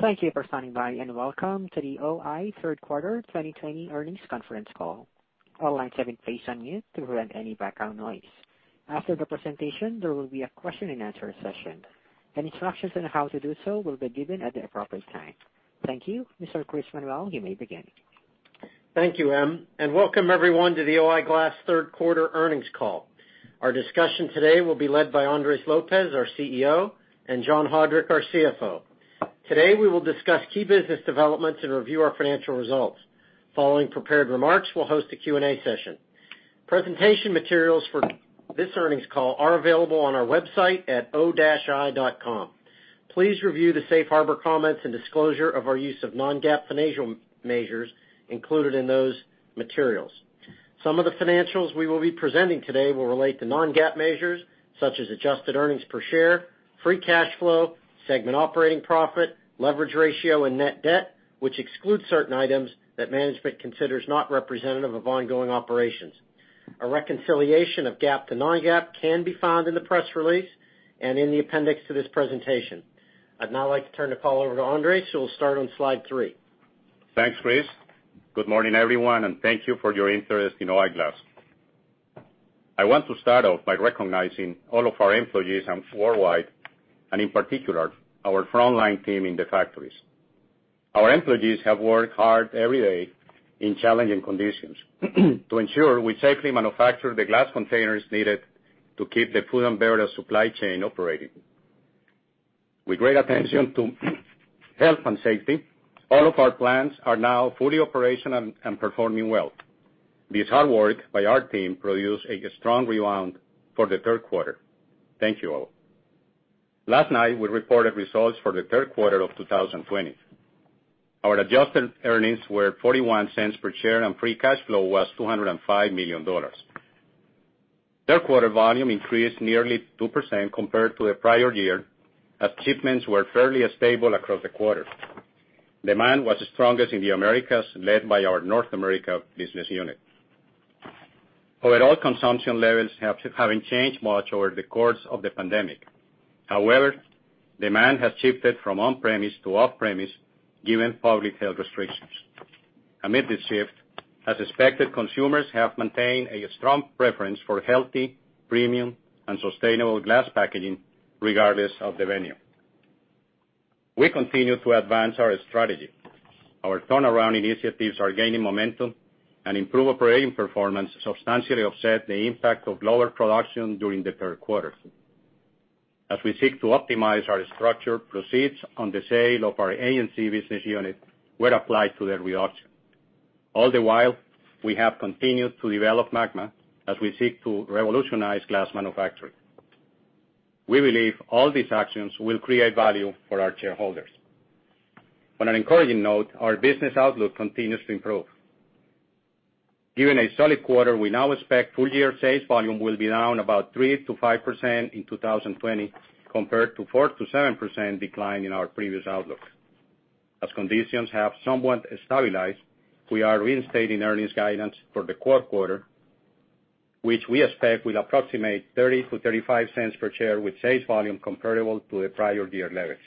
Mr. Chris Manuel, you may begin. Thank you, M. Welcome everyone to the O-I Glass third quarter earnings call. Our discussion today will be led by Andres Lopez, our CEO, and John Haudrich, our CFO. Today, we will discuss key business developments and review our financial results. Following prepared remarks, we'll host a Q&A session. Presentation materials for this earnings call are available on our website at o-i.com. Please review the safe harbor comments and disclosure of our use of non-GAAP financial measures included in those materials. Some of the financials we will be presenting today will relate to non-GAAP measures, such as adjusted earnings per share, free cash flow, segment operating profit, leverage ratio, and net debt, which excludes certain items that management considers not representative of ongoing operations. A reconciliation of GAAP to non-GAAP can be found in the press release and in the appendix to this presentation. I'd now like to turn the call over to Andres, who will start on slide three. Thanks, Chris. Good morning, everyone, and thank you for your interest in O-I Glass. I want to start off by recognizing all of our employees worldwide, and in particular, our frontline team in the factories. Our employees have worked hard every day in challenging conditions to ensure we safely manufacture the glass containers needed to keep the food and beverage supply chain operating. With great attention to health and safety, all of our plants are now fully operational and performing well. This hard work by our team produced a strong rebound for the third quarter. Thank you all. Last night, we reported results for the third quarter of 2020. Our adjusted earnings were $0.41 per share, and free cash flow was $205 million. Third quarter volume increased nearly 2% compared to the prior year, as shipments were fairly stable across the quarter. Demand was strongest in the Americas, led by our North America business unit. Overall consumption levels haven't changed much over the course of the pandemic. However, demand has shifted from on-premise to off-premise given public health restrictions. Amid this shift, as expected, consumers have maintained a strong preference for healthy, premium, and sustainable glass packaging, regardless of the venue. We continue to advance our strategy. Our turnaround initiatives are gaining momentum, and improved operating performance substantially offset the impact of lower production during the third quarter. As we seek to optimize our structure, proceeds on the sale of our ANZ business unit were applied to debt reduction. All the while, we have continued to develop MAGMA as we seek to revolutionize glass manufacturing. We believe all these actions will create value for our shareholders. On an encouraging note, our business outlook continues to improve. Given a solid quarter, we now expect full-year sales volume will be down about 3%-5% in 2020, compared to 4%-7% decline in our previous outlook. Conditions have somewhat stabilized, we are reinstating earnings guidance for the fourth quarter, which we expect will approximate $0.30-$0.35 per share with sales volume comparable to the prior year levels.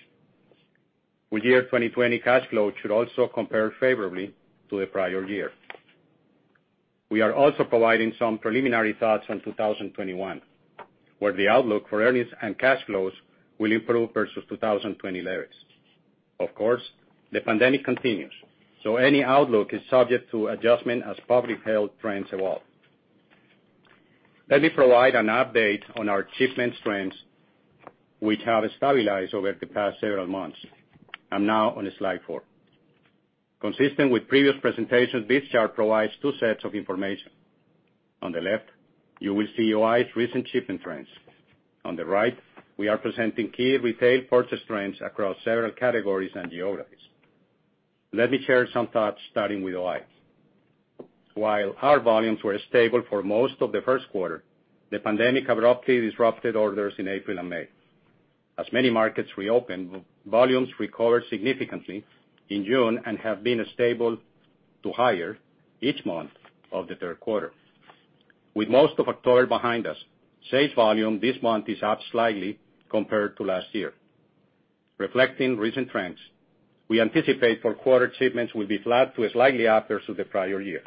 Full-year 2020 cash flow should also compare favorably to the prior year. We are also providing some preliminary thoughts on 2021, where the outlook for earnings and cash flows will improve versus 2020 levels. Of course, the pandemic continues, so any outlook is subject to adjustment as public health trends evolve. Let me provide an update on our shipments trends, which have stabilized over the past several months. I'm now on slide four. Consistent with previous presentations, this chart provides two sets of information. On the left, you will see O-I's recent shipping trends. On the right, we are presenting key retail purchase trends across several categories and geographies. Let me share some thoughts, starting with O-I. While our volumes were stable for most of the first quarter, the pandemic abruptly disrupted orders in April and May. As many markets reopened, volumes recovered significantly in June and have been stable to higher each month of the third quarter. With most of October behind us, sales volume this month is up slightly compared to last year. Reflecting recent trends, we anticipate fourth quarter shipments will be flat to slightly up to the prior year.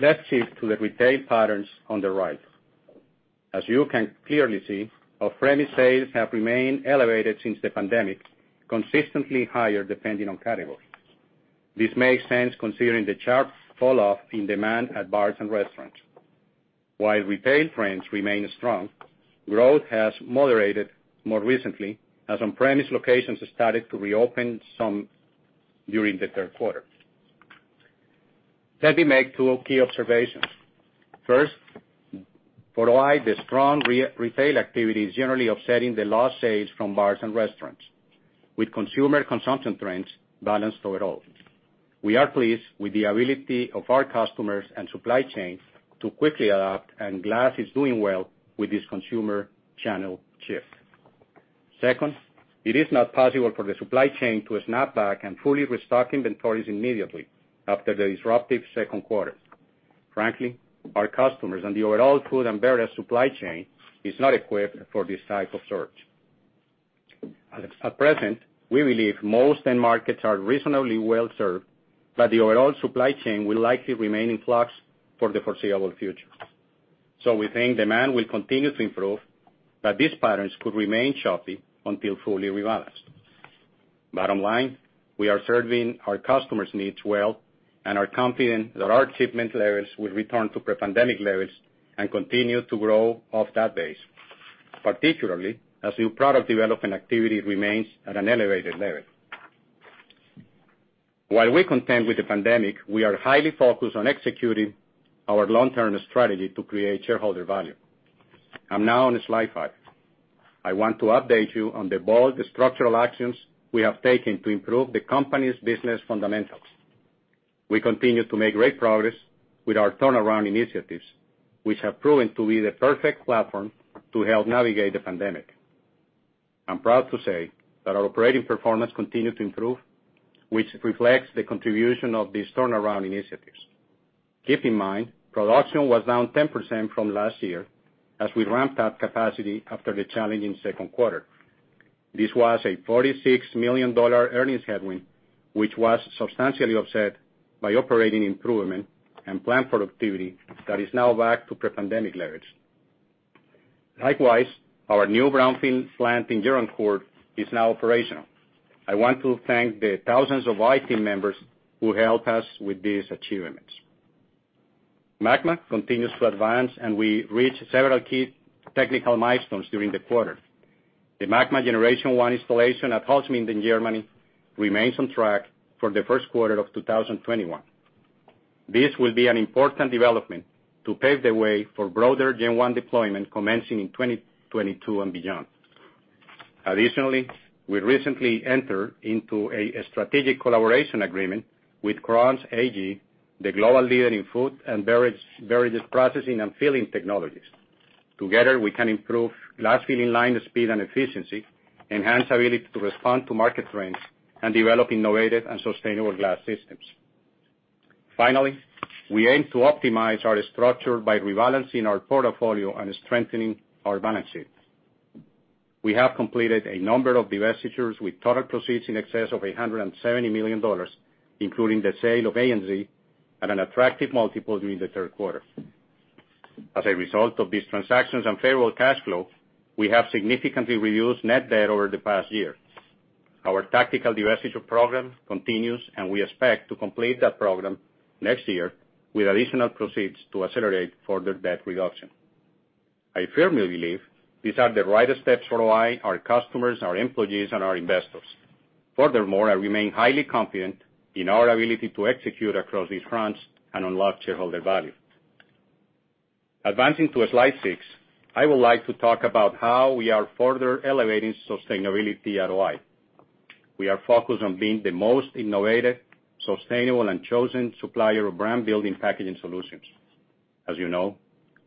Let's shift to the retail patterns on the right. As you can clearly see, off-premise sales have remained elevated since the pandemic, consistently higher depending on category. This makes sense considering the sharp fall-off in demand at bars and restaurants. While retail trends remain strong, growth has moderated more recently as on-premise locations started to reopen some during the third quarter. Let me make two key observations. First, for O-I, the strong retail activity is generally offsetting the lost sales from bars and restaurants, with consumer consumption trends balanced overall. We are pleased with the ability of our customers and supply chains to quickly adapt, and glass is doing well with this consumer channel shift. Second, it is not possible for the supply chain to snap back and fully restock inventories immediately after the disruptive second quarter. Frankly, our customers and the overall food and beverage supply chain is not equipped for this type of surge. At present, we believe most end markets are reasonably well-served, but the overall supply chain will likely remain in flux for the foreseeable future. We think demand will continue to improve, but these patterns could remain choppy until fully rebalanced. Bottom line, we are serving our customers' needs well, and are confident that our shipment levels will return to pre-pandemic levels and continue to grow off that base, particularly as new product development activity remains at an elevated level. While we contend with the pandemic, we are highly focused on executing our long-term strategy to create shareholder value. I'm now on slide five. I want to update you on the bold structural actions we have taken to improve the company's business fundamentals. We continue to make great progress with our turnaround initiatives, which have proven to be the perfect platform to help navigate the pandemic. I'm proud to say that our operating performance continued to improve, which reflects the contribution of these turnaround initiatives. Keep in mind, production was down 10% from last year as we ramped up capacity after the challenging second quarter. This was a $46 million earnings headwind, which was substantially offset by operating improvement and plant productivity that is now back to pre-pandemic levels. Likewise, our new brownfield plant in Gironcourt is now operational. I want to thank the thousands of O-I team members who helped us with these achievements. MAGMA continues to advance, and we reached several key technical milestones during the quarter. The MAGMA Generation 1 installation at Holzminden, Germany remains on track for the first quarter of 2021. This will be an important development to pave the way for broader Gen 1 deployment commencing in 2022 and beyond. Additionally, we recently entered into a strategic collaboration agreement with Krones AG, the global leader in food and beverage processing and filling technologies. Together, we can improve glass filling line speed and efficiency, enhance ability to respond to market trends, and develop innovative and sustainable glass systems. Finally, we aim to optimize our structure by rebalancing our portfolio and strengthening our balance sheet. We have completed a number of divestitures with total proceeds in excess of $170 million, including the sale of ANZ at an attractive multiple during the third quarter. As a result of these transactions and favorable cash flow, we have significantly reduced net debt over the past year. Our tactical divestiture program continues, and we expect to complete that program next year with additional proceeds to accelerate further debt reduction. I firmly believe these are the right steps for O-I, our customers, our employees, and our investors. Furthermore, I remain highly confident in our ability to execute across these fronts and unlock shareholder value. Advancing to slide six, I would like to talk about how we are further elevating sustainability at O-I. We are focused on being the most innovative, sustainable, and chosen supplier of brand-building packaging solutions. As you know,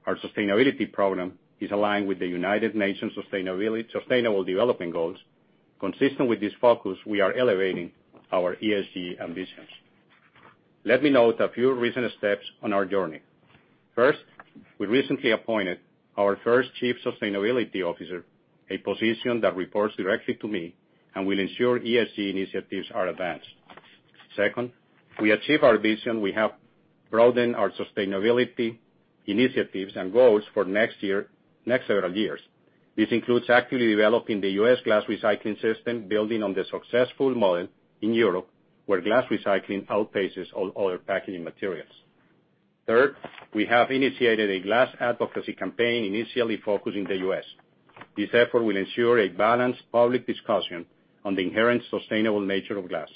our sustainability program is aligned with the United Nations Sustainable Development Goals. Consistent with this focus, we are elevating our ESG ambitions. Let me note a few recent steps on our journey. First, we recently appointed our first chief sustainability officer, a position that reports directly to me and will ensure ESG initiatives are advanced. Second, to achieve our vision, we have broadened our sustainability initiatives and goals for next several years. This includes actively developing the U.S. glass recycling system, building on the successful model in Europe, where glass recycling outpaces all other packaging materials. Third, we have initiated a glass advocacy campaign initially focused in the U.S. This effort will ensure a balanced public discussion on the inherent sustainable nature of glass.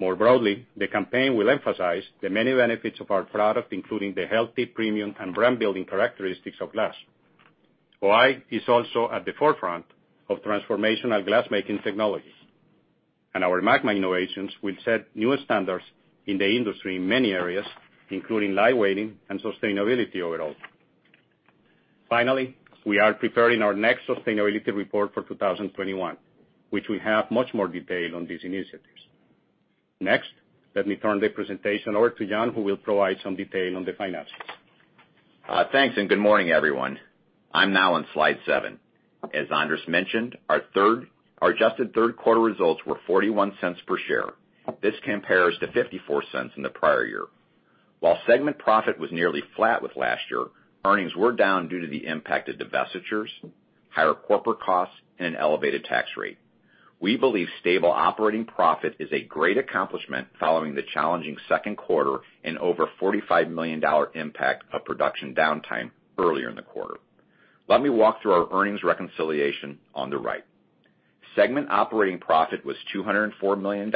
More broadly, the campaign will emphasize the many benefits of our product, including the healthy premium and brand-building characteristics of glass. O-I is also at the forefront of transformational glass-making technologies, and our MAGMA innovations will set new standards in the industry in many areas, including light weighting and sustainability overall. Finally, we are preparing our next sustainability report for 2021, which will have much more detail on these initiatives. Next, let me turn the presentation over to John, who will provide some detail on the finances. Thanks. Good morning, everyone. I'm now on slide seven. As Andres mentioned, our adjusted third quarter results were $0.41 per share. This compares to $0.54 in the prior year. While segment profit was nearly flat with last year, earnings were down due to the impact of divestitures, higher corporate costs, and an elevated tax rate. We believe stable operating profit is a great accomplishment following the challenging second quarter and over $45 million impact of production downtime earlier in the quarter. Let me walk through our earnings reconciliation on the right. Segment operating profit was $204 million,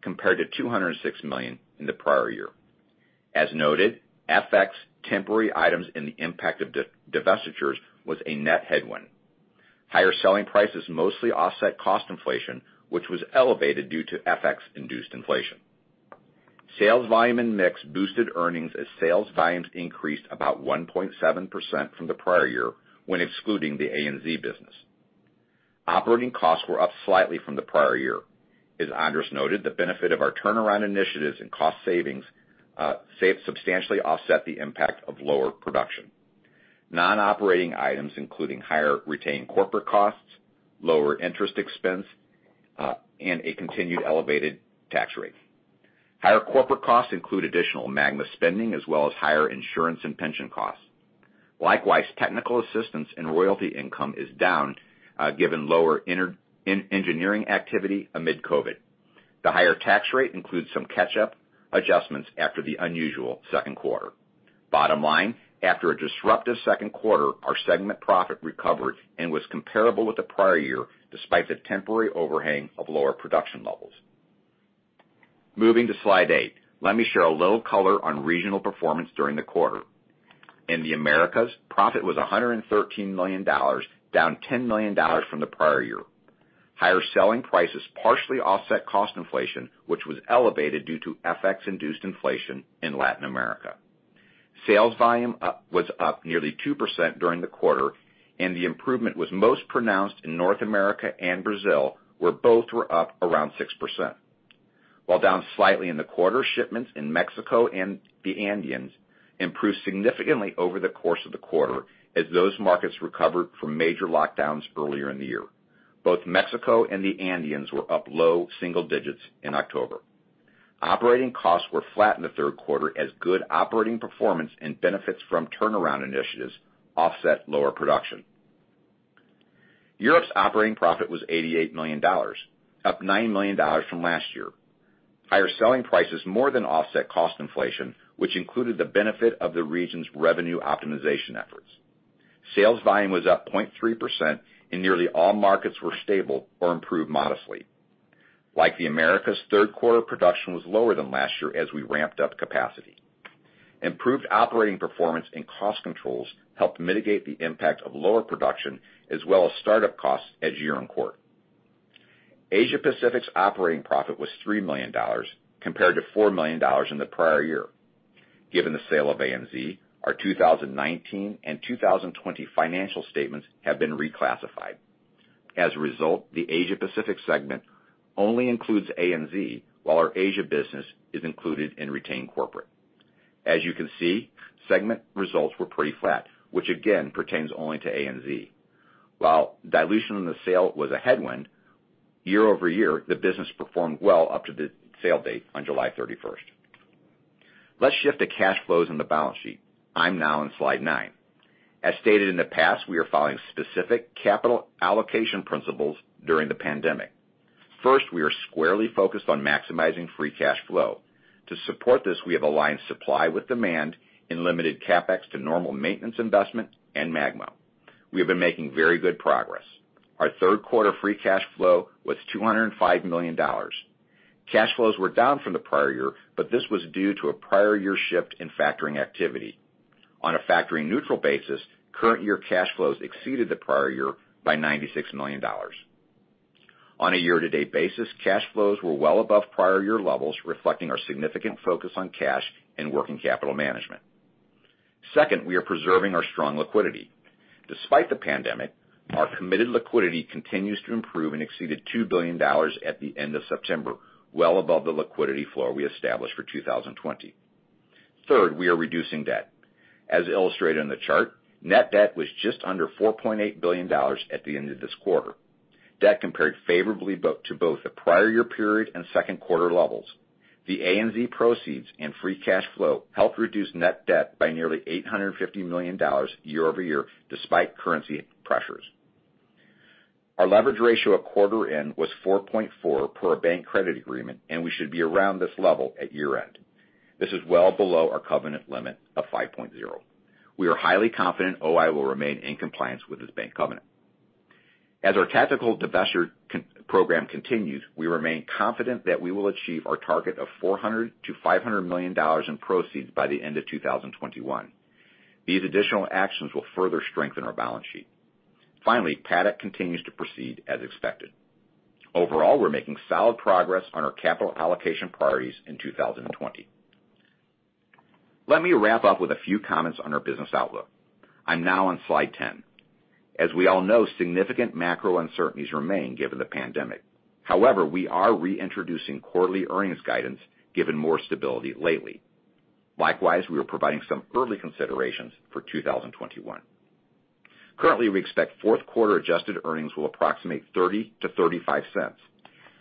compared to $206 million in the prior year. As noted, FX temporary items and the impact of divestitures was a net headwind. Higher selling prices mostly offset cost inflation, which was elevated due to FX-induced inflation. Sales volume and mix boosted earnings as sales volumes increased about 1.7% from the prior year when excluding the ANZ business. Operating costs were up slightly from the prior year. As Andres noted, the benefit of our turnaround initiatives and cost savings substantially offset the impact of lower production. Non-operating items including higher retained corporate costs, lower interest expense, and a continued elevated tax rate. Higher corporate costs include additional MAGMA spending as well as higher insurance and pension costs. Technical assistance and royalty income is down given lower engineering activity amid COVID. The higher tax rate includes some catch-up adjustments after the unusual second quarter. Bottom line, after a disruptive second quarter, our segment profit recovered and was comparable with the prior year, despite the temporary overhang of lower production levels. Moving to slide eight. Let me share a little color on regional performance during the quarter. In the Americas, profit was $113 million, down $10 million from the prior year. Higher selling prices partially offset cost inflation, which was elevated due to FX-induced inflation in Latin America. Sales volume was up nearly 2% during the quarter. The improvement was most pronounced in North America and Brazil, where both were up around 6%. While down slightly in the quarter, shipments in Mexico and the Andeans improved significantly over the course of the quarter as those markets recovered from major lockdowns earlier in the year. Both Mexico and the Andeans were up low single digits in October. Operating costs were flat in the third quarter as good operating performance and benefits from turnaround initiatives offset lower production. Europe's operating profit was $88 million, up $9 million from last year. Higher selling prices more than offset cost inflation, which included the benefit of the region's revenue optimization efforts. Sales volume was up 0.3% and nearly all markets were stable or improved modestly. Like the Americas, third quarter production was lower than last year as we ramped up capacity. Improved operating performance and cost controls helped mitigate the impact of lower production as well as startup costs at Gironcourt. Asia Pacific's operating profit was $3 million compared to $4 million in the prior year. Given the sale of ANZ, our 2019 and 2020 financial statements have been reclassified. As a result, the Asia Pacific segment only includes ANZ, while our Asia business is included in retained corporate. As you can see, segment results were pretty flat, which again pertains only to ANZ. While dilution in the sale was a headwind, year-over-year, the business performed well up to the sale date on July 31st. Let's shift to cash flows in the balance sheet. I'm now on slide nine. As stated in the past, we are following specific capital allocation principles during the pandemic. First, we are squarely focused on maximizing free cash flow. To support this, we have aligned supply with demand and limited CapEx to normal maintenance investment and MAGMA. We have been making very good progress. Our third quarter free cash flow was $205 million. Cash flows were down from the prior year, but this was due to a prior year shift in factoring activity. On a factoring neutral basis, current year cash flows exceeded the prior year by $96 million. On a year-to-date basis, cash flows were well above prior year levels, reflecting our significant focus on cash and working capital management. Second, we are preserving our strong liquidity. Despite the pandemic, our committed liquidity continues to improve and exceeded $2 billion at the end of September, well above the liquidity floor we established for 2020. Third, we are reducing debt. As illustrated in the chart, net debt was just under $4.8 billion at the end of this quarter. Debt compared favorably to both the prior year period and second quarter levels. The ANZ proceeds and free cash flow helped reduce net debt by nearly $850 million year-over-year, despite currency pressures. Our leverage ratio at quarter end was 4.4x per our bank credit agreement, and we should be around this level at year-end. This is well below our covenant limit of 5.0x. We are highly confident O-I will remain in compliance with this bank covenant. As our tactical divestiture program continues, we remain confident that we will achieve our target of $400 million-$500 million in proceeds by the end of 2021. These additional actions will further strengthen our balance sheet. Finally, Paddock continues to proceed as expected. Overall, we're making solid progress on our capital allocation priorities in 2020. Let me wrap up with a few comments on our business outlook. I'm now on slide ten. As we all know, significant macro uncertainties remain given the pandemic. However, we are reintroducing quarterly earnings guidance, given more stability lately. Likewise, we are providing some early considerations for 2021. Currently, we expect fourth quarter adjusted earnings will approximate $0.30-$0.35.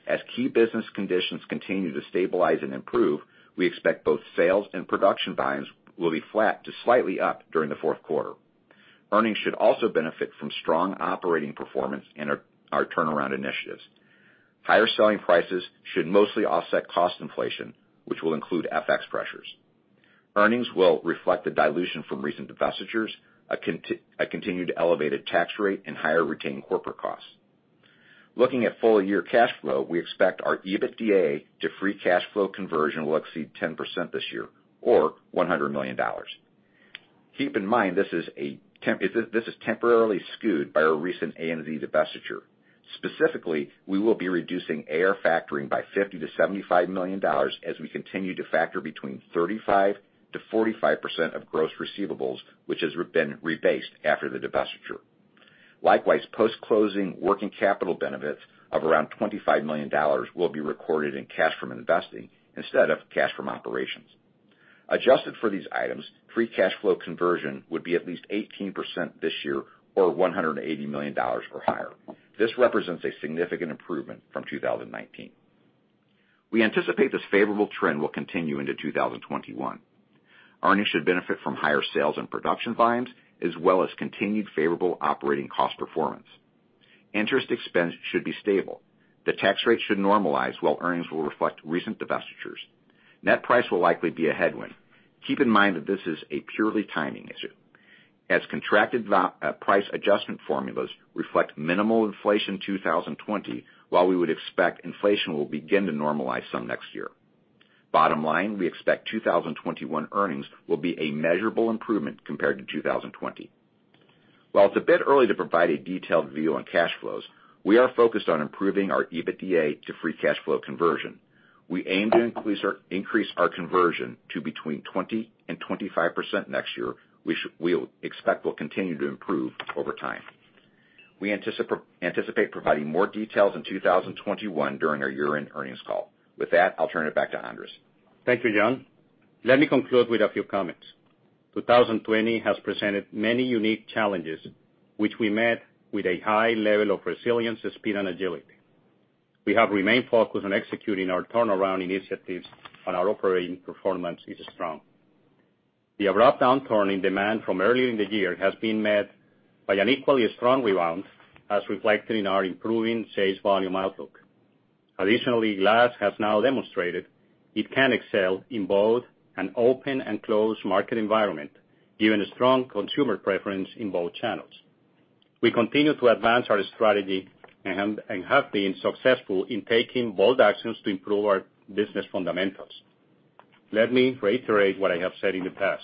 As key business conditions continue to stabilize and improve, we expect both sales and production volumes will be flat to slightly up during the fourth quarter. Earnings should also benefit from strong operating performance and our turnaround initiatives. Higher selling prices should mostly offset cost inflation, which will include FX pressures. Earnings will reflect the dilution from recent divestitures, a continued elevated tax rate, and higher retained corporate costs. Looking at full-year cash flow, we expect our EBITDA to free cash flow conversion will exceed 10% this year, or $100 million. Keep in mind, this is temporarily skewed by our recent ANZ divestiture. Specifically, we will be reducing AR factoring by $50 million-$75 million as we continue to factor between 35%-45% of gross receivables, which has been rebased after the divestiture. Post-closing working capital benefits of around $25 million will be recorded in cash from investing instead of cash from operations. Adjusted for these items, free cash flow conversion would be at least 18% this year or $180 million or higher. This represents a significant improvement from 2019. We anticipate this favorable trend will continue into 2021. Earnings should benefit from higher sales and production volumes as well as continued favorable operating cost performance. Interest expense should be stable. The tax rate should normalize, while earnings will reflect recent divestitures. Net price will likely be a headwind. Keep in mind that this is a purely timing issue, as contracted Price Adjustment Formulas reflect minimal inflation 2020, while we would expect inflation will begin to normalize some next year. Bottom line, we expect 2021 earnings will be a measurable improvement compared to 2020. While it's a bit early to provide a detailed view on cash flows, we are focused on improving our EBITDA to free cash flow conversion. We aim to increase our conversion to between 20% and 25% next year, which we expect will continue to improve over time. We anticipate providing more details in 2021 during our year-end earnings call. With that, I'll turn it back to Andres. Thank you, John. Let me conclude with a few comments. 2020 has presented many unique challenges, which we met with a high level of resilience, speed, and agility. We have remained focused on executing our turnaround initiatives, and our operating performance is strong. The abrupt downturn in demand from earlier in the year has been met by an equally strong rebound, as reflected in our improving sales volume outlook. Additionally, glass has now demonstrated it can excel in both an open and closed market environment, given a strong consumer preference in both channels. We continue to advance our strategy and have been successful in taking bold actions to improve our business fundamentals. Let me reiterate what I have said in the past.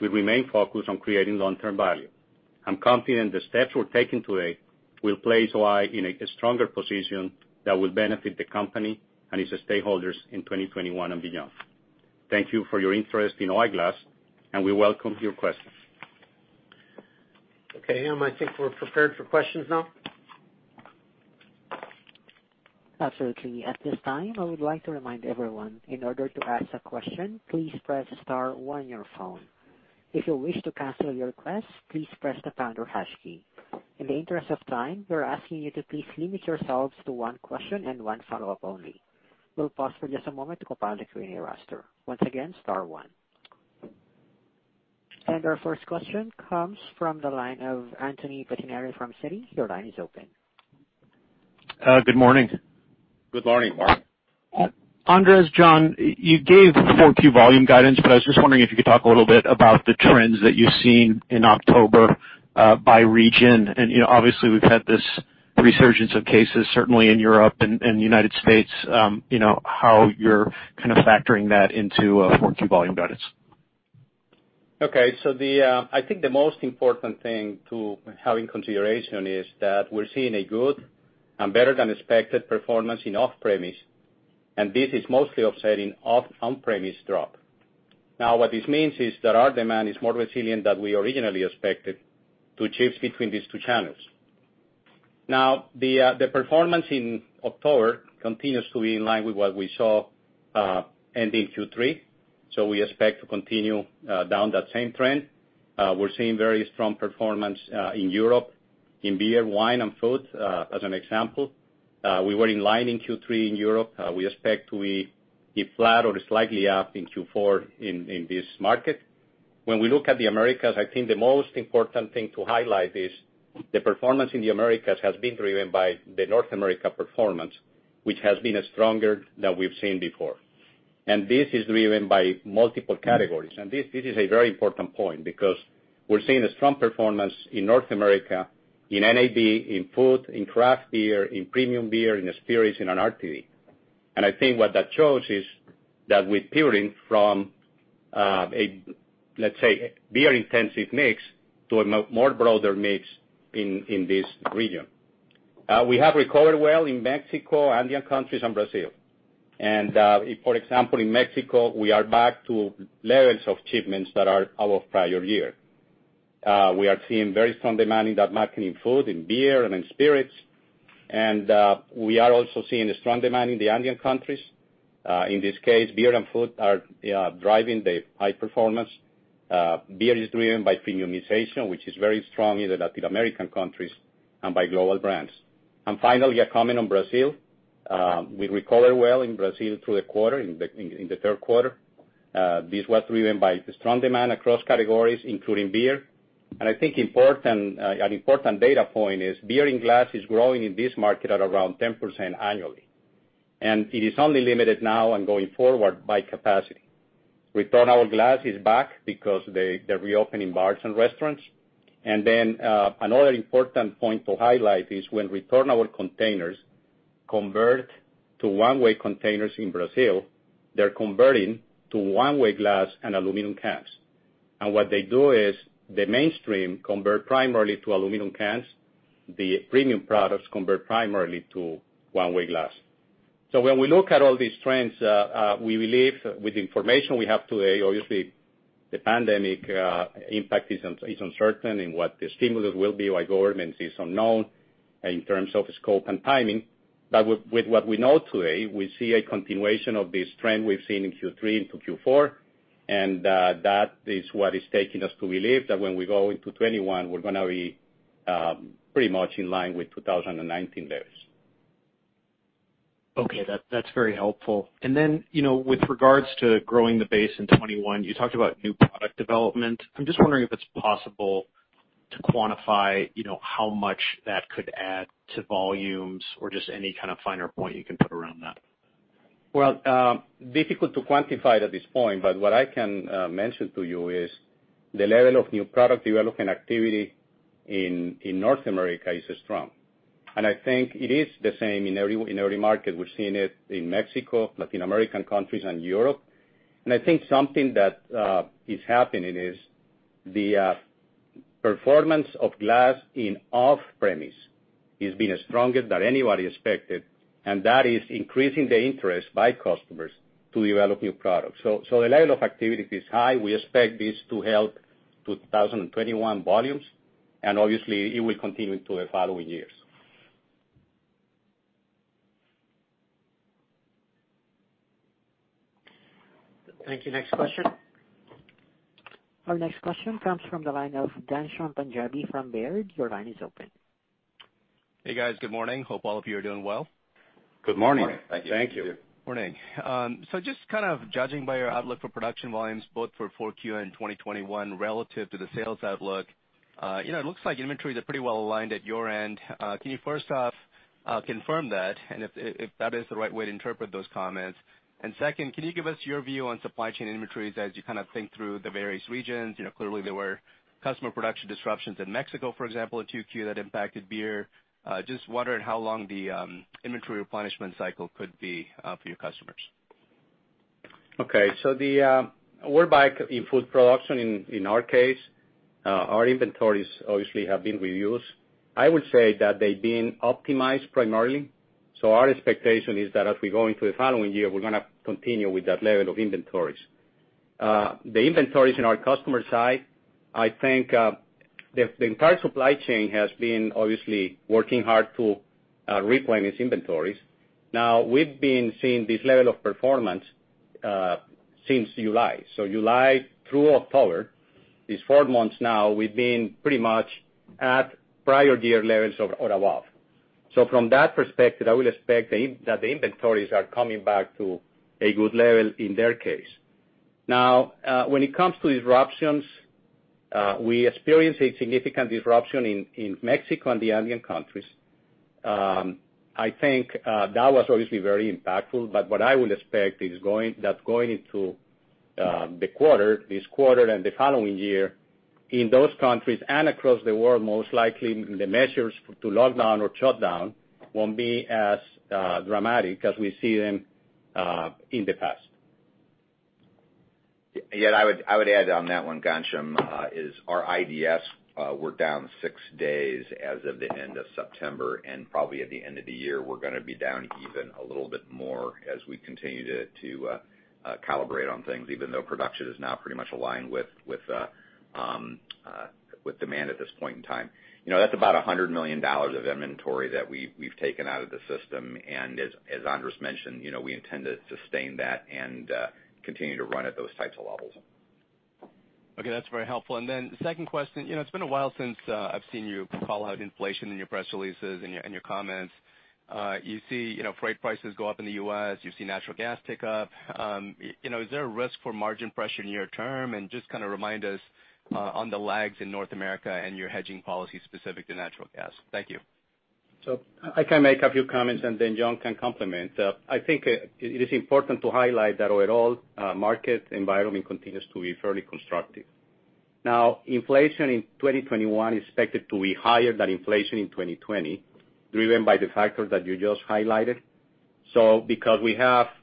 We remain focused on creating long-term value. I'm confident the steps we're taking today will place O-I in a stronger position that will benefit the company and its stakeholders in 2021 and beyond. Thank you for your interest in O-I Glass, and we welcome your questions. Okay, M, I think we're prepared for questions now. Absolutely. At this time, I would like to remind everyone, in order to ask a question, please press star one on your phone. If you wish to cancel your request, please press the pound or hash key. In the interest of time, we're asking you to please limit yourselves to one question and one follow-up only. We'll pause for just a moment to compile the Q&A roster. Once again, star one. Our first question comes from the line of Anthony Pettinari from Citi. Your line is open. Good morning. Good morning. Andres, John, you gave the 4Q volume guidance, but I was just wondering if you could talk a little bit about the trends that you're seeing in October, by region? Obviously, we've had this resurgence of cases, certainly in Europe and the U.S., how you're kind of factoring that into 4Q volume guidance? I think the most important thing to have in consideration is that we're seeing a good and better-than-expected performance in off-premise, and this is mostly offsetting the on-premise drop. What this means is that our demand is more resilient than we originally expected to choose between these two channels. The performance in October continues to be in line with what we saw end in Q3, so we expect to continue down that same trend. We're seeing very strong performance in Europe in beer, wine, and food, as an example. We were in line in Q3 in Europe. We expect to be flat or slightly up in Q4 in this market. We look at the Americas, I think the most important thing to highlight is the performance in the Americas has been driven by the North America performance, which has been stronger than we've seen before. This is driven by multiple categories. This is a very important point, because we're seeing a strong performance in North America, in NAB, in food, in craft beer, in premium beer, in spirits, and in RTD. I think what that shows is that we're pivoting from, let's say, beer-intensive mix to a more broader mix in this region. We have recovered well in Mexico, Andean countries, and Brazil. For example, in Mexico, we are back to levels of achievements that are our prior year. We are seeing very strong demand in that market, in food, in beer, and in spirits. We are also seeing a strong demand in the Andean countries. In this case, beer and food are driving the high performance. Beer is driven by premiumization, which is very strong in the Latin American countries and by global brands. Finally, a comment on Brazil. We recovered well in Brazil through the quarter, in the third quarter. This was driven by strong demand across categories, including beer. I think an important data point is beer in glass is growing in this market at around 10% annually. It is only limited now and going forward by capacity. Returnable glass is back because they're reopening bars and restaurants. Another important point to highlight is when we returnable containers, convert to one-way containers in Brazil, they're converting to one-way glass and aluminum cans. What they do is the mainstream converts primarily to aluminum cans. The premium products convert primarily to one-way glass. When we look at all these trends, we believe with the information we have today, obviously, the pandemic impact is uncertain in what the stimulus will be by government is unknown in terms of scope and timing. With what we know today, we see a continuation of this trend we've seen in Q3 into Q4, and that is what is taking us to believe that when we go into 2021, we're going to be pretty much in line with 2019 levels. Okay. That's very helpful. Then, with regards to growing the base in 2021, you talked about new product development. I'm just wondering if it's possible to quantify, how much that could add to volumes or just any kind of finer point you can put around that. Well, difficult to quantify it at this point, but what I can mention to you is the level of new product development activity in North America is strong. I think it is the same in every market. We've seen it in Mexico, Latin American countries, and Europe. I think something that is happening is the performance of glass in off-premise has been stronger than anybody expected, and that is increasing the interest by customers to develop new products. The level of activity is high. We expect this to help 2021 volumes, and obviously, it will continue into the following years. Thank you. Next question. Our next question comes from the line of Ghansham Panjabi from Baird. Your line is open. Hey, guys. Good morning. Hope all of you are doing well. Good morning. Good morning. Thank you. Morning. Just kind of judging by your outlook for production volumes both for 4Q and 2021 relative to the sales outlook, it looks like inventories are pretty well-aligned at your end. Can you first off, confirm that and if that is the right way to interpret those comments? Second, can you give us your view on supply chain inventories as you think through the various regions? Clearly, there were customer production disruptions in Mexico, for example, in 2Q that impacted beer. Just wondered how long the inventory replenishment cycle could be for your customers. Okay. We're back in full production in our case. Our inventories obviously have been reduced. I would say that they've been optimized primarily. Our expectation is that as we go into the following year, we're going to continue with that level of inventories. The inventories in our customer side, I think, the entire supply chain has been obviously working hard to replenish inventories. We've been seeing this level of performance since July. July through October, these four months now, we've been pretty much at prior year levels or above. From that perspective, I would expect that the inventories are coming back to a good level in their case. When it comes to disruptions, we experienced a significant disruption in Mexico and the Andean countries. I think that was obviously very impactful, but what I would expect that going into this quarter and the following year in those countries and across the world, most likely, the measures to lock down or shut down won't be as dramatic as we see them in the past. Yeah, I would add on that one, Ghansham, is our IDS were down six days as of the end of September, and probably at the end of the year, we're going to be down even a little bit more as we continue to calibrate on things, even though production is now pretty much aligned with demand at this point in time. That's about $100 million of inventory that we've taken out of the system, and as Andres mentioned, we intend to sustain that and continue to run at those types of levels. Okay. That's very helpful. Then the second question, it's been a while since I've seen you call out inflation in your press releases and your comments. You see freight prices go up in the U.S., you see natural gas tick up. Is there a risk for margin pressure in the near term? Just kind of remind us, on the lags in North America, and your hedging policy specific to natural gas. Thank you. I can make a few comments, and then John can complement. I think it is important to highlight that overall, market environment continues to be fairly constructive. Inflation in 2021 is expected to be higher than inflation in 2020, driven by the factors that you just highlighted. Because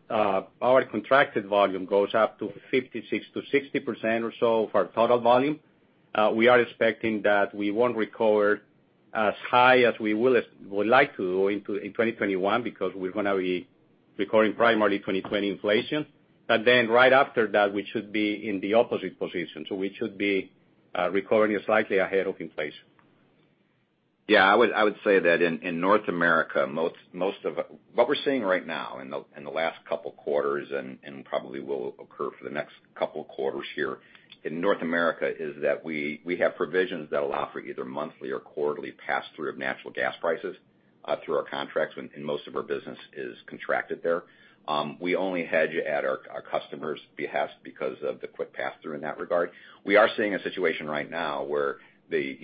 our contracted volume goes up to 56%-60% or so of our total volume, we are expecting that we won't recover as high as we would like to in 2021 because we're going to be recovering primarily 2020 inflation. Right after that, we should be in the opposite position. We should be recovering slightly ahead of inflation. Yeah, I would say that in North America, what we're seeing right now in the last couple of quarters and probably will occur for the next couple of quarters here in North America is that we have provisions that allow for either monthly or quarterly pass-through of natural gas prices. Through our contracts, most of our business is contracted there. We only hedge at our customers' behalf because of the quick pass-through in that regard. We are seeing a situation right now where the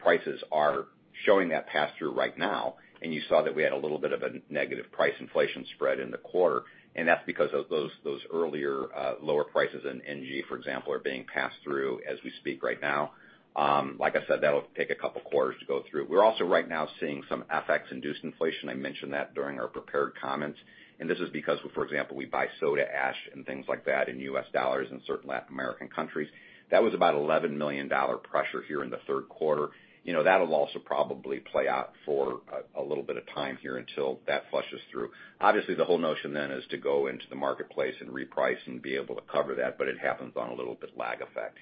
prices are showing that pass-through right now, and you saw that we had a little bit of a negative price inflation spread in the quarter. That's because of those earlier lower prices in NG, for example, are being passed through as we speak right now. Like I said, that'll take a couple of quarters to go through. We're also right now seeing some FX-induced inflation. I mentioned that during our prepared comments. This is because, for example, we buy soda ash and things like that in U.S. dollars, in certain Latin American countries. That was about $11 million pressure here in the third quarter. That'll also probably play out for a little bit of time here until that flushes through. Obviously, the whole notion then is to go into the marketplace and reprice and be able to cover that, but it happens on a little bit lag effect.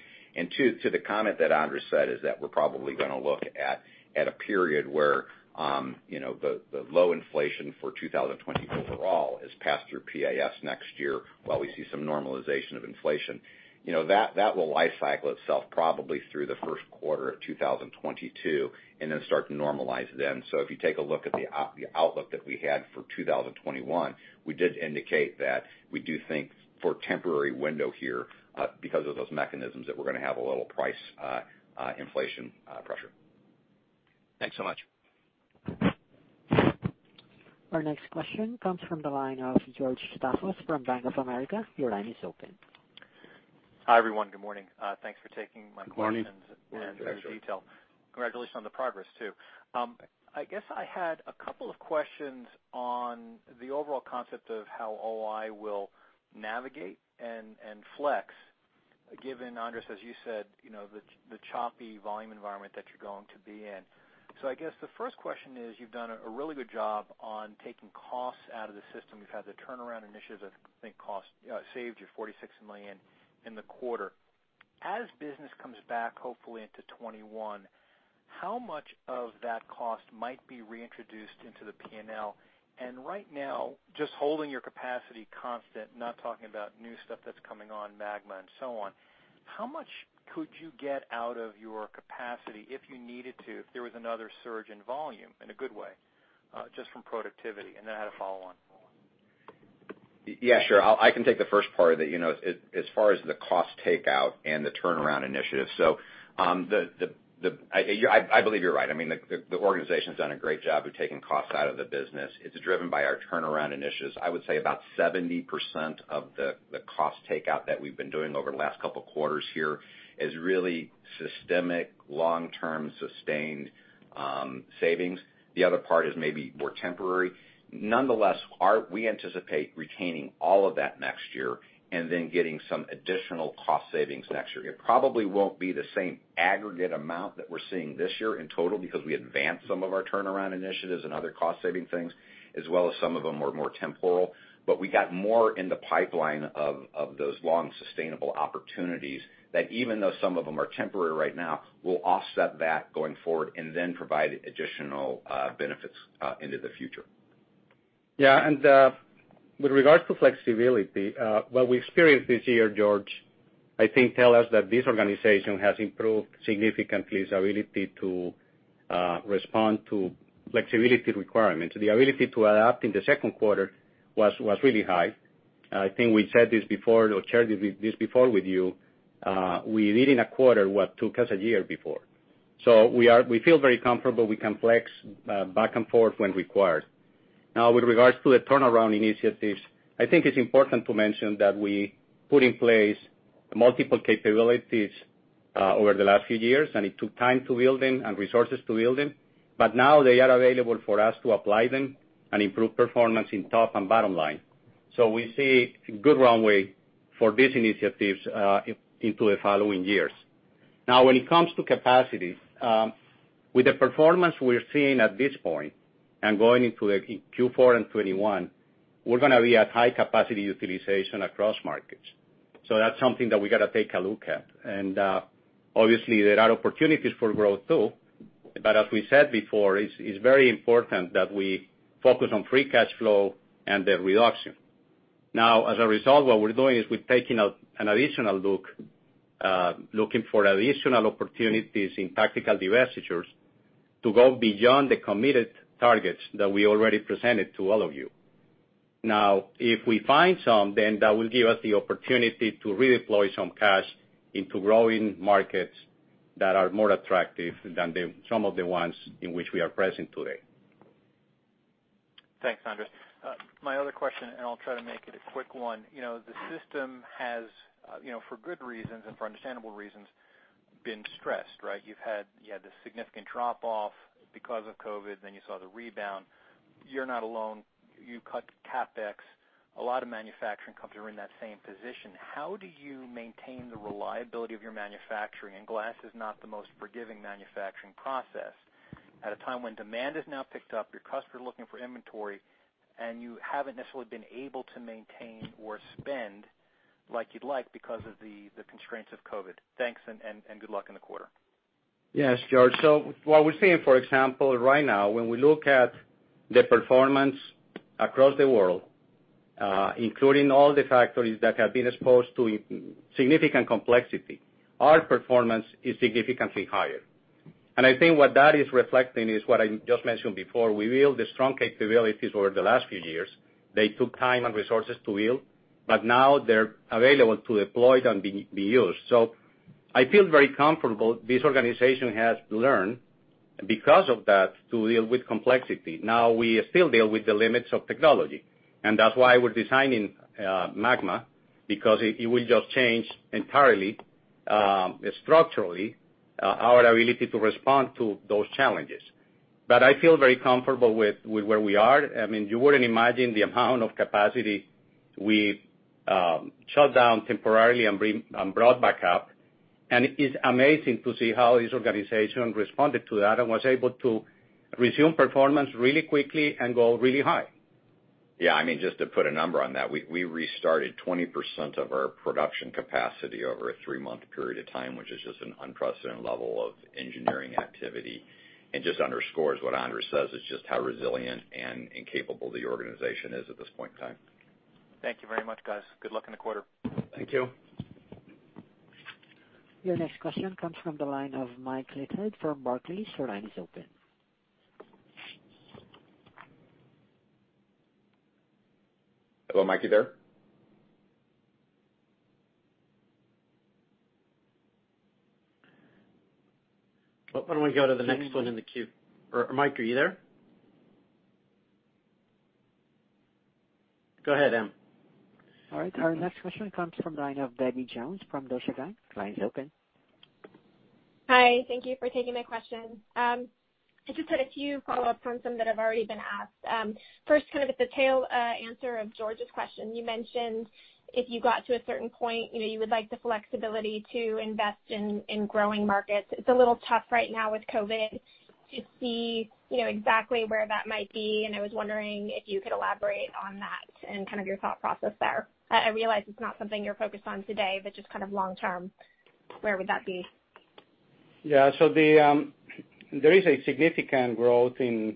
Two, to the comment that Andres said, is that we're probably going to look at a period where the low inflation for 2020 overall is passed through PAFs next year while we see some normalization of inflation. That will life cycle itself probably through the first quarter of 2022 and then start to normalize then. If you take a look at the outlook that we had for 2021, we did indicate that we do think for a temporary window here, because of those mechanisms, that we're going to have a little price inflation pressure. Thanks so much. Our next question comes from the line of George Staphos from Bank of America. Your line is open. Hi, everyone. Good morning. Thanks for taking my call. Good morning. The detail. Congratulations on the progress, too. I guess I had a couple of questions on the overall concept of how O-I will navigate and flex, given Andres, as you said, the choppy volume environment that you're going to be in. I guess the first question is, you've done a really good job on taking costs out of the system. You've had the turnaround initiatives I think saved you $46 million in the quarter. As business comes back, hopefully into 2021, how much of that cost might be reintroduced into the P&L? Right now, just holding your capacity constant, not talking about new stuff that's coming on, MAGMA and so on, how much could you get out of your capacity if you needed to, if there was another surge in volume in a good way, just from productivity? I had a follow-on. Sure. I can take the first part of it. As far as the cost takeout and the turnaround initiative. I believe you're right. I mean, the organization's done a great job of taking costs out of the business. It's driven by our turnaround initiatives. I would say about 70% of the cost takeout that we've been doing over the last couple of quarters here is really systemic, long-term, sustained savings. The other part is maybe more temporary. Nonetheless, we anticipate retaining all of that next year and then getting some additional cost savings next year. It probably won't be the same aggregate amount that we're seeing this year in total because we advanced some of our turnaround initiatives and other cost-saving things, as well as some of them were more temporal. We got more in the pipeline of those long sustainable opportunities that even though some of them are temporary right now, will offset that going forward and then provide additional benefits into the future. Yeah. With regards to flexibility, what we experienced this year, George, I think tell us that this organization has improved significantly its ability to respond to flexibility requirements. The ability to adapt in the second quarter was really high. I think we said this before, or shared this before with you. We did in a quarter what took us a year before. We feel very comfortable we can flex back and forth when required. Now, with regards to the turnaround initiatives, I think it's important to mention that we put in place multiple capabilities over the last few years, and it took time to build them and resources to build them. Now they are available for us to apply them and improve performance in top and bottom line. We see a good runway for these initiatives into the following years. When it comes to capacity, with the performance we're seeing at this point and going into Q4 and 2021, we're going to be at high capacity utilization across markets. That's something that we got to take a look at. Obviously, there are opportunities for growth too. As we said before, it's very important that we focus on free cash flow and the reduction. As a result, what we're doing is we're taking an additional look, looking for additional opportunities in tactical divestitures to go beyond the committed targets that we already presented to all of you. If we find some, then that will give us the opportunity to redeploy some cash into growing markets that are more attractive than some of the ones in which we are present today. Thanks, Andres. My other question, and I'll try to make it a quick one. The system has, for good reasons and for understandable reasons, been stressed, right? You had this significant drop-off because of COVID, then you saw the rebound. You're not alone. You cut CapEx. A lot of manufacturing companies are in that same position. How do you maintain the reliability of your manufacturing, and glass is not the most forgiving manufacturing process, at a time when demand has now picked up, your customer looking for inventory, and you haven't necessarily been able to maintain or spend like you'd like because of the constraints of COVID. Thanks, and good luck in the quarter. Yes, George. What we're seeing, for example, right now, when we look at the performance across the world. Including all the factories that have been exposed to significant complexity, our performance is significantly higher. I think what that is reflecting is what I just mentioned before. We built the strong capabilities over the last few years. They took time and resources to build, but now they're available to deploy and be used. I feel very comfortable this organization has learned, because of that, to deal with complexity. We still deal with the limits of technology, and that's why we're designing MAGMA, because it will just change entirely, structurally, our ability to respond to those challenges. I feel very comfortable with where we are. You wouldn't imagine the amount of capacity we shut down temporarily and brought back up. It's amazing to see how this organization responded to that and was able to resume performance really quickly and go really high. Yeah, just to put a number on that, we restarted 20% of our production capacity over a three-month period of time, which is just an unprecedented level of engineering activity, and just underscores what Andres says, is just how resilient and capable the organization is at this point in time. Thank you very much, guys. Good luck in the quarter. Thank you. Your next question comes from the line of Mike Leithead from Barclays. Your line is open. Hello, Mike, you there? Why don't we go to the next one in the queue? Mike, are you there? Go ahead, M. All right. Our next question comes from the line of Debbie Jones from Deutsche Bank. Line's open. Hi, thank you for taking my question. I just had a few follow-ups on some that have already been asked. First, kind of at the tail answer of George's question, you mentioned if you got to a certain point, you would like the flexibility to invest in growing markets. It's a little tough right now with COVID to see exactly where that might be, and I was wondering if you could elaborate on that and kind of your thought process there. I realize it's not something you're focused on today, but just kind of long term, where would that be? There is a significant growth in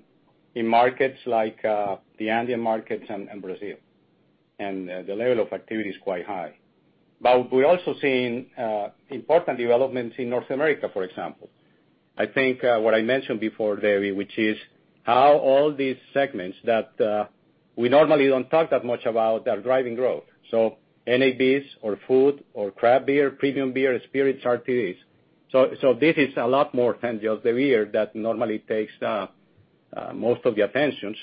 markets like the Andean markets and Brazil. The level of activity is quite high. We're also seeing important developments in North America, for example. I think what I mentioned before, Debbie, which is how all these segments that we normally don't talk that much about are driving growth. NABs or food or craft beer, premium beer, spirits, RTDs. This is a lot more than just the beer that normally takes most of the attention.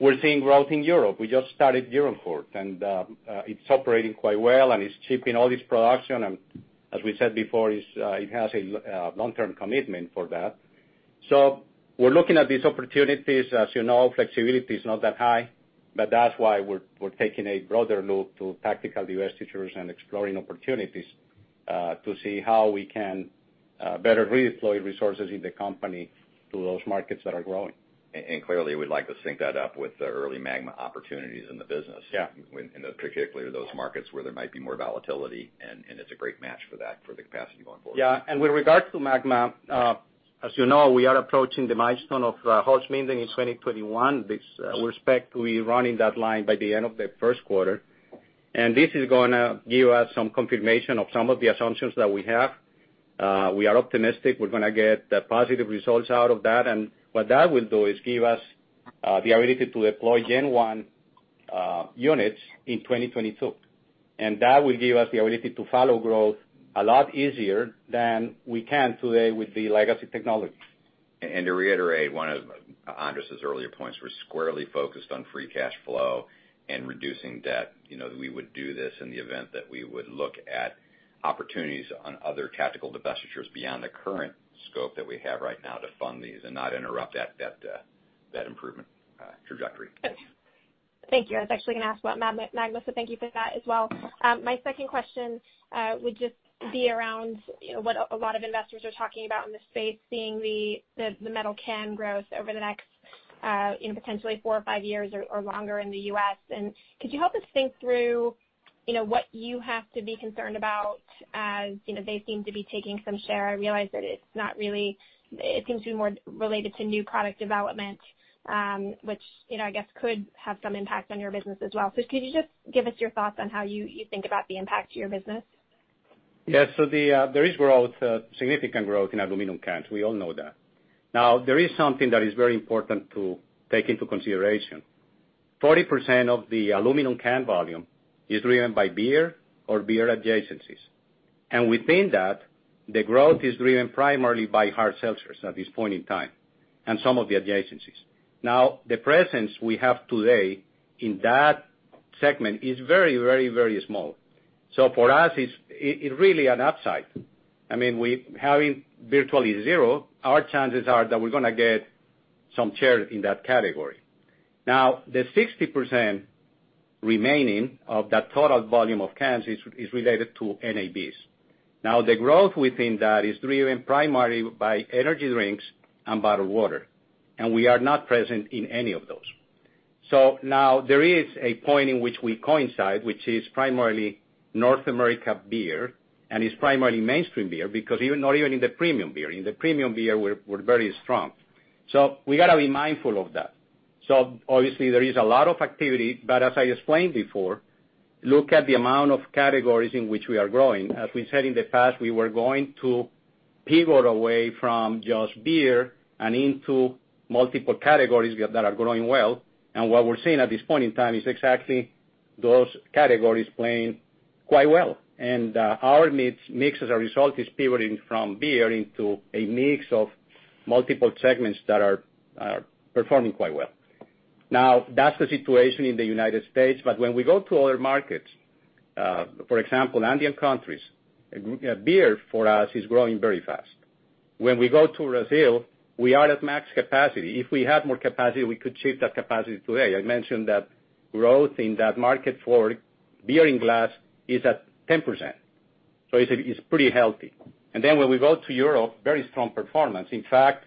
We're seeing growth in Europe. We just started Gironcourt, and it's operating quite well, and it's shipping all its production. As we said before, it has a long-term commitment for that. We're looking at these opportunities. As you know, flexibility is not that high. That's why we're taking a broader look to tactical divestitures and exploring opportunities to see how we can better redeploy resources in the company to those markets that are growing. Clearly, we'd like to sync that up with the early MAGMA opportunities in the business. Yeah. Particularly those markets where there might be more volatility, and it's a great match for that, for the capacity going forward. Yeah. With regards to MAGMA, as you know, we are approaching the milestone of hot end in 2021. We expect to be running that line by the end of the first quarter. This is going to give us some confirmation of some of the assumptions that we have. We are optimistic we are going to get positive results out of that. What that will do is give us the ability to deploy Gen 1 units in 2022. That will give us the ability to follow growth a lot easier than we can today with the legacy technology. To reiterate one of Andres's earlier points, we're squarely focused on free cash flow and reducing debt. We would do this in the event that we would look at opportunities on other tactical divestitures beyond the current scope that we have right now to fund these and not interrupt that improvement trajectory. Thank you. I was actually going to ask about MAGMA, so thank you for that as well. My second question would just be around what a lot of investors are talking about in the space, seeing the metal can growth over the next potentially four or five years or longer in the U.S. Could you help us think through what you have to be concerned about as they seem to be taking some share? I realize that it seems to be more related to new product development, which I guess could have some impact on your business as well. Could you just give us your thoughts on how you think about the impact to your business? Yeah. There is significant growth in aluminum cans. We all know that. Now, there is something that is very important to take into consideration. 40% of the aluminum can volume is driven by beer or beer adjacencies. Within that, the growth is driven primarily by hard seltzers at this point in time, and some of the adjacencies. Now, the presence we have today in that segment is very, very, very small. For us, it's really an upside. Having virtually zero, our chances are that we're gonna get some share in that category. Now, the 60% remaining of that total volume of cans is related to NABs. Now, the growth within that is driven primarily by energy drinks and bottled water, and we are not present in any of those. Now there is a point in which we coincide, which is primarily North America beer, and it's primarily mainstream beer, because not even in the premium beer. In the premium beer, we're very strong. We got to be mindful of that. Obviously, there is a lot of activity, but as I explained before, look at the amount of categories in which we are growing. As we said in the past, we were going to pivot away from just beer and into multiple categories that are growing well. What we're seeing at this point in time is exactly those categories playing quite well. Our mix as a result, is pivoting from beer into a mix of multiple segments that are performing quite well. That's the situation in the United States, but when we go to other markets, for example, Andean countries, beer for us is growing very fast. When we go to Brazil, we are at max capacity. If we had more capacity, we could ship that capacity today. I mentioned that growth in that market for beer in glass is at 10%, it's pretty healthy. When we go to Europe, very strong performance. In fact,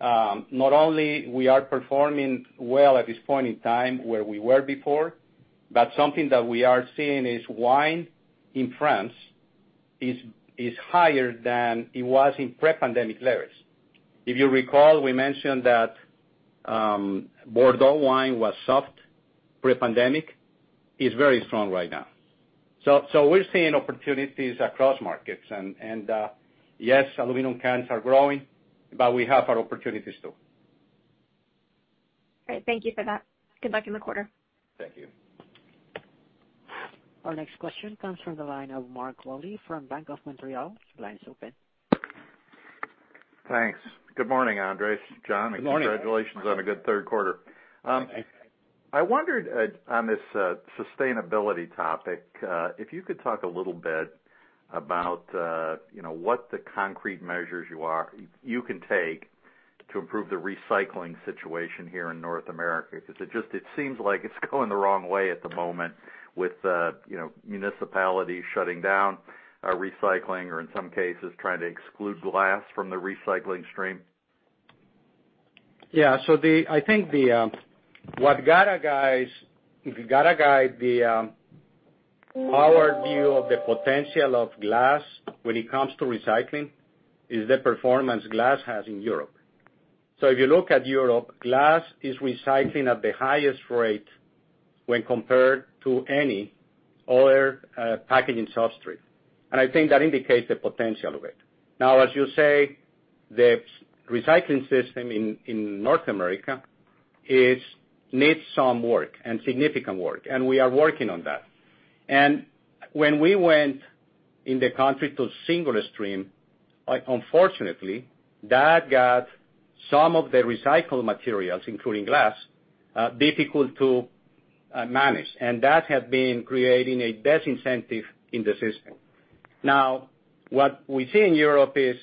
not only we are performing well at this point in time where we were before, but something that we are seeing is wine in France is higher than it was in pre-pandemic levels. If you recall, we mentioned that Bordeaux wine was soft pre-pandemic, is very strong right now. We're seeing opportunities across markets. Yes, aluminum cans are growing, but we have our opportunities too. Great. Thank you for that. Good luck in the quarter. Thank you. Our next question comes from the line of Mark Wilde from Bank of Montreal. Your line is open. Thanks. Good morning, Andres, John. Good morning. Congratulations on a good third quarter. Thanks. I wondered on this sustainability topic, if you could talk a little bit about what the concrete measures you can take to improve the recycling situation here in North America. Because it seems like it's going the wrong way at the moment with municipalities shutting down recycling or in some cases trying to exclude glass from the recycling stream. I think what got to guide our view of the potential of glass when it comes to recycling, is the performance glass has in Europe. If you look at Europe, glass is recycling at the highest rate when compared to any other packaging substrate. I think that indicates the potential of it. Now, as you say, the recycling system in North America, it needs some work and significant work, and we are working on that. When we went in the country to single stream, unfortunately, that got some of the recycled materials, including glass, difficult to manage, and that had been creating a disincentive in the system. Now, what we see in Europe is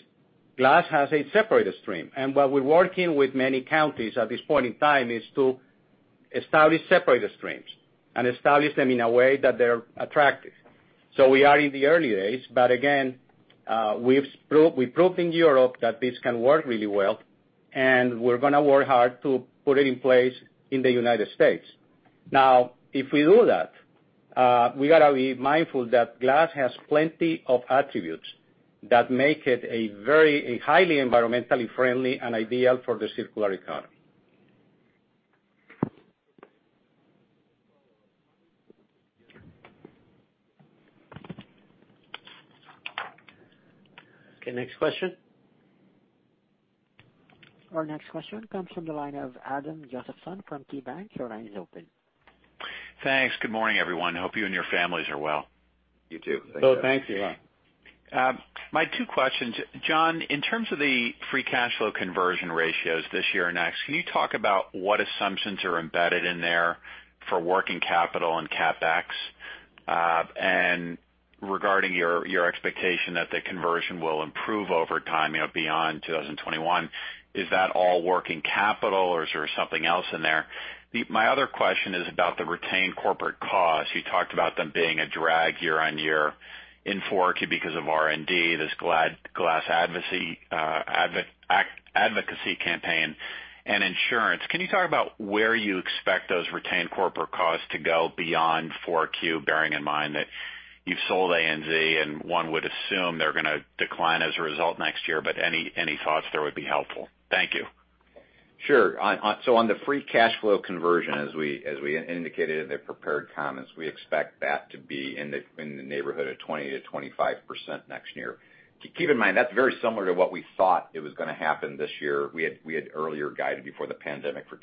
glass has a separated stream, and what we're working with many counties at this point in time is to establish separated streams and establish them in a way that they're attractive. We are in the early days, but again, we've proved in Europe that this can work really well, and we're going to work hard to put it in place in the U.S. If we do that, we got to be mindful that glass has plenty of attributes that make it a highly environmentally friendly and ideal for the circular economy. Next question. Our next question comes from the line of Adam Josephson from KeyBanc. Your line is open. Thanks. Good morning, everyone. Hope you and your families are well. You too. Thanks. Thank you. My two questions. John, in terms of the free cash flow conversion ratios this year and next, can you talk about what assumptions are embedded in there for working capital and CapEx? Regarding your expectation that the conversion will improve over time beyond 2021, is that all working capital or is there something else in there? My other question is about the retained corporate costs. You talked about them being a drag year-over-year in 4Q because of R&D, this glass advocacy campaign, and insurance. Can you talk about where you expect those retained corporate costs to go beyond 4Q, bearing in mind that you've sold ANZ, and one would assume they're going to decline as a result next year, but any thoughts there would be helpful. Thank you. Sure. On the free cash flow conversion, as we indicated in the prepared comments, we expect that to be in the neighborhood of 20%-25% next year. Keep in mind, that's very similar to what we thought it was going to happen this year. We had earlier guided before the pandemic for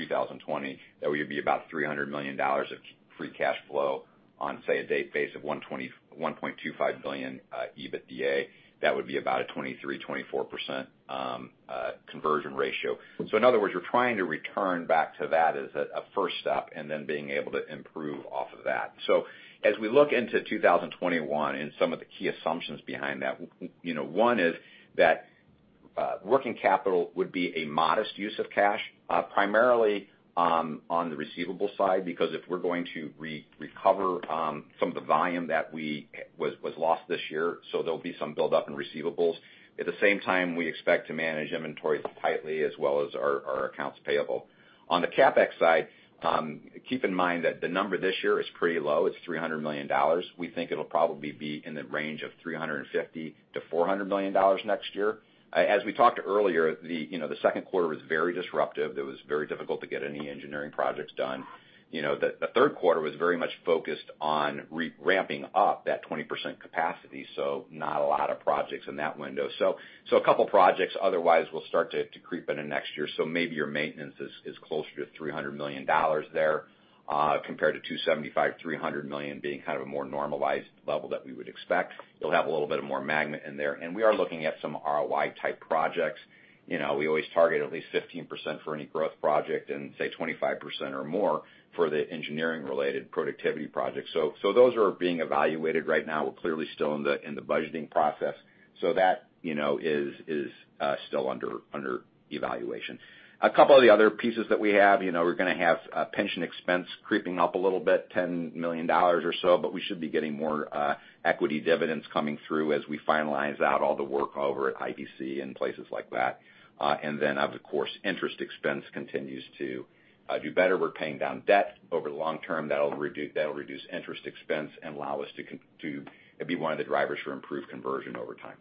2020, that we would be about $300 million of free cash flow on, say, a base of $1.25 billion EBITDA. That would be about a 23%, 24% conversion ratio. In other words, we're trying to return back to that as a first step and then being able to improve off of that. As we look into 2021 and some of the key assumptions behind that, one is that. Working capital would be a modest use of cash, primarily on the receivable side, because if we're going to recover some of the volume that was lost this year, so there'll be some buildup in receivables. At the same time, we expect to manage inventories tightly as well as our accounts payable. On the CapEx side, keep in mind that the number this year is pretty low. It's $300 million. We think it'll probably be in the range of $350 million-$400 million next year. As we talked earlier, the second quarter was very disruptive. It was very difficult to get any engineering projects done. The third quarter was very much focused on ramping up that 20% capacity, so not a lot of projects in that window. A couple projects otherwise will start to creep into next year. Maybe your maintenance is closer to $300 million there compared to $275 million-$300 million being kind of a more normalized level that we would expect. You'll have a little bit more MAGMA in there. We are looking at some ROI type projects. We always target at least 15% for any growth project and say 25% or more for the engineering related productivity projects. Those are being evaluated right now. We're clearly still in the budgeting process. That is still under evaluation. A couple of the other pieces that we have. We're going to have a pension expense creeping up a little bit, $10 million or so, but we should be getting more equity dividends coming through as we finalize out all the work over at IVC and places like that. Of course, interest expense continues to do better. We're paying down debt over the long term. That'll reduce interest expense and allow us to be one of the drivers for improved conversion over time.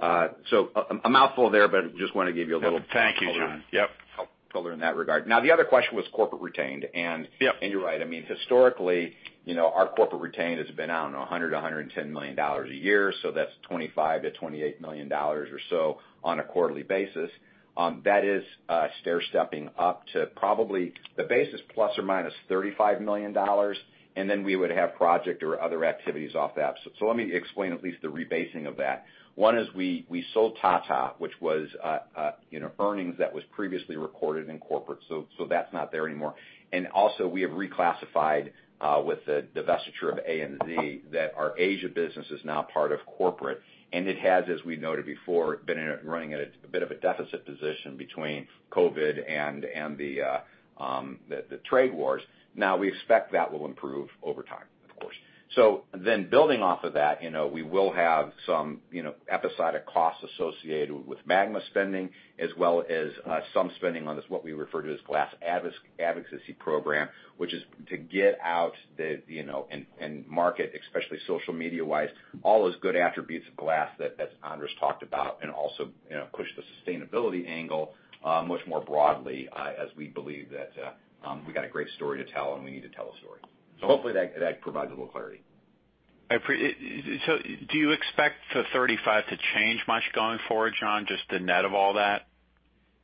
A mouthful there but just want to give you a little- Thank you, John. Yep. -color in that regard. The other question was corporate retained. Yep. You're right. Historically, our corporate retained has been out $100 million, $110 million a year, so that's $25 million-$28 million or so on a quarterly basis. That is stair-stepping up to probably the basis ±$35 million, we would have project or other activities off that. Let me explain at least the rebasing of that. One is we sold Tata, which was earnings that was previously recorded in corporate. That's not there anymore. Also, we have reclassified with the divestiture of ANZ that our Asia business is now part of corporate, and it has, as we noted before, been running at a bit of a deficit position between COVID and the trade wars. We expect that will improve over time, of course. Building off of that, we will have some episodic costs associated with MAGMA spending as well as some spending on this, what we refer to as Glass Advocacy Program, which is to get out and market, especially social media wise, all those good attributes of glass that Andres talked about and also push the sustainability angle much more broadly as we believe that we got a great story to tell and we need to tell a story. Hopefully, that provides a little clarity. Do you expect the $35 million to change much going forward, John, just the net of all that?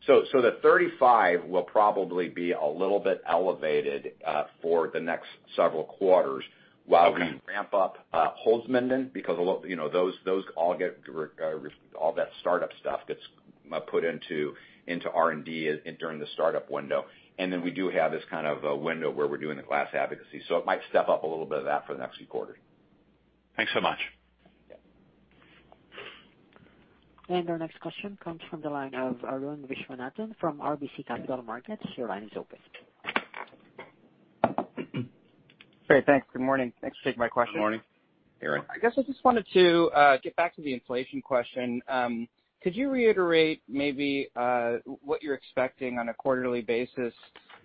The $35 million will probably be a little bit elevated for the next several quarters while we ramp up Holzminden, because those all get all that startup stuff gets put into R&D during the startup window. Then we do have this kind of a window where we're doing the glass advocacy. It might step up a little bit of that for the next few quarters. Thanks so much. Yeah. Our next question comes from the line of Arun Viswanathan from RBC Capital Markets. Your line is open. Great. Thanks. Good morning. Thanks for taking my question. Good morning, Arun. I guess I just wanted to get back to the inflation question. Could you reiterate maybe what you're expecting on a quarterly basis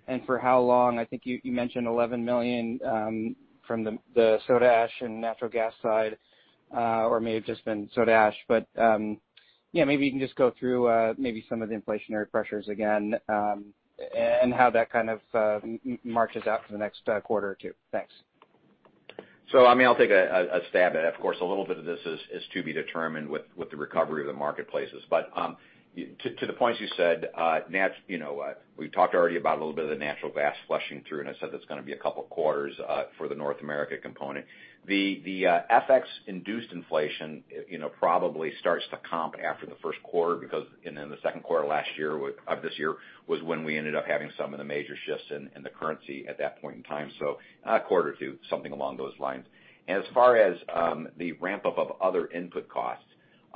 and for how long? I think you mentioned $11 million from the soda ash and natural gas side or may have just been soda ash. Yeah, maybe you can just go through maybe some of the inflationary pressures again and how that kind of marches out for the next quarter or two. Thanks. I'll take a stab at it. Of course, a little bit of this is to be determined with the recovery of the marketplaces. To the points you said, we talked already about a little bit of the natural gas flushing through, and I said that's going to be a couple of quarters for the North America component. The FX-induced inflation probably starts to comp after the first quarter because in the second quarter of this year was when we ended up having some of the major shifts in the currency at that point in time. A quarter or two, something along those lines. As far as the ramp up of other input costs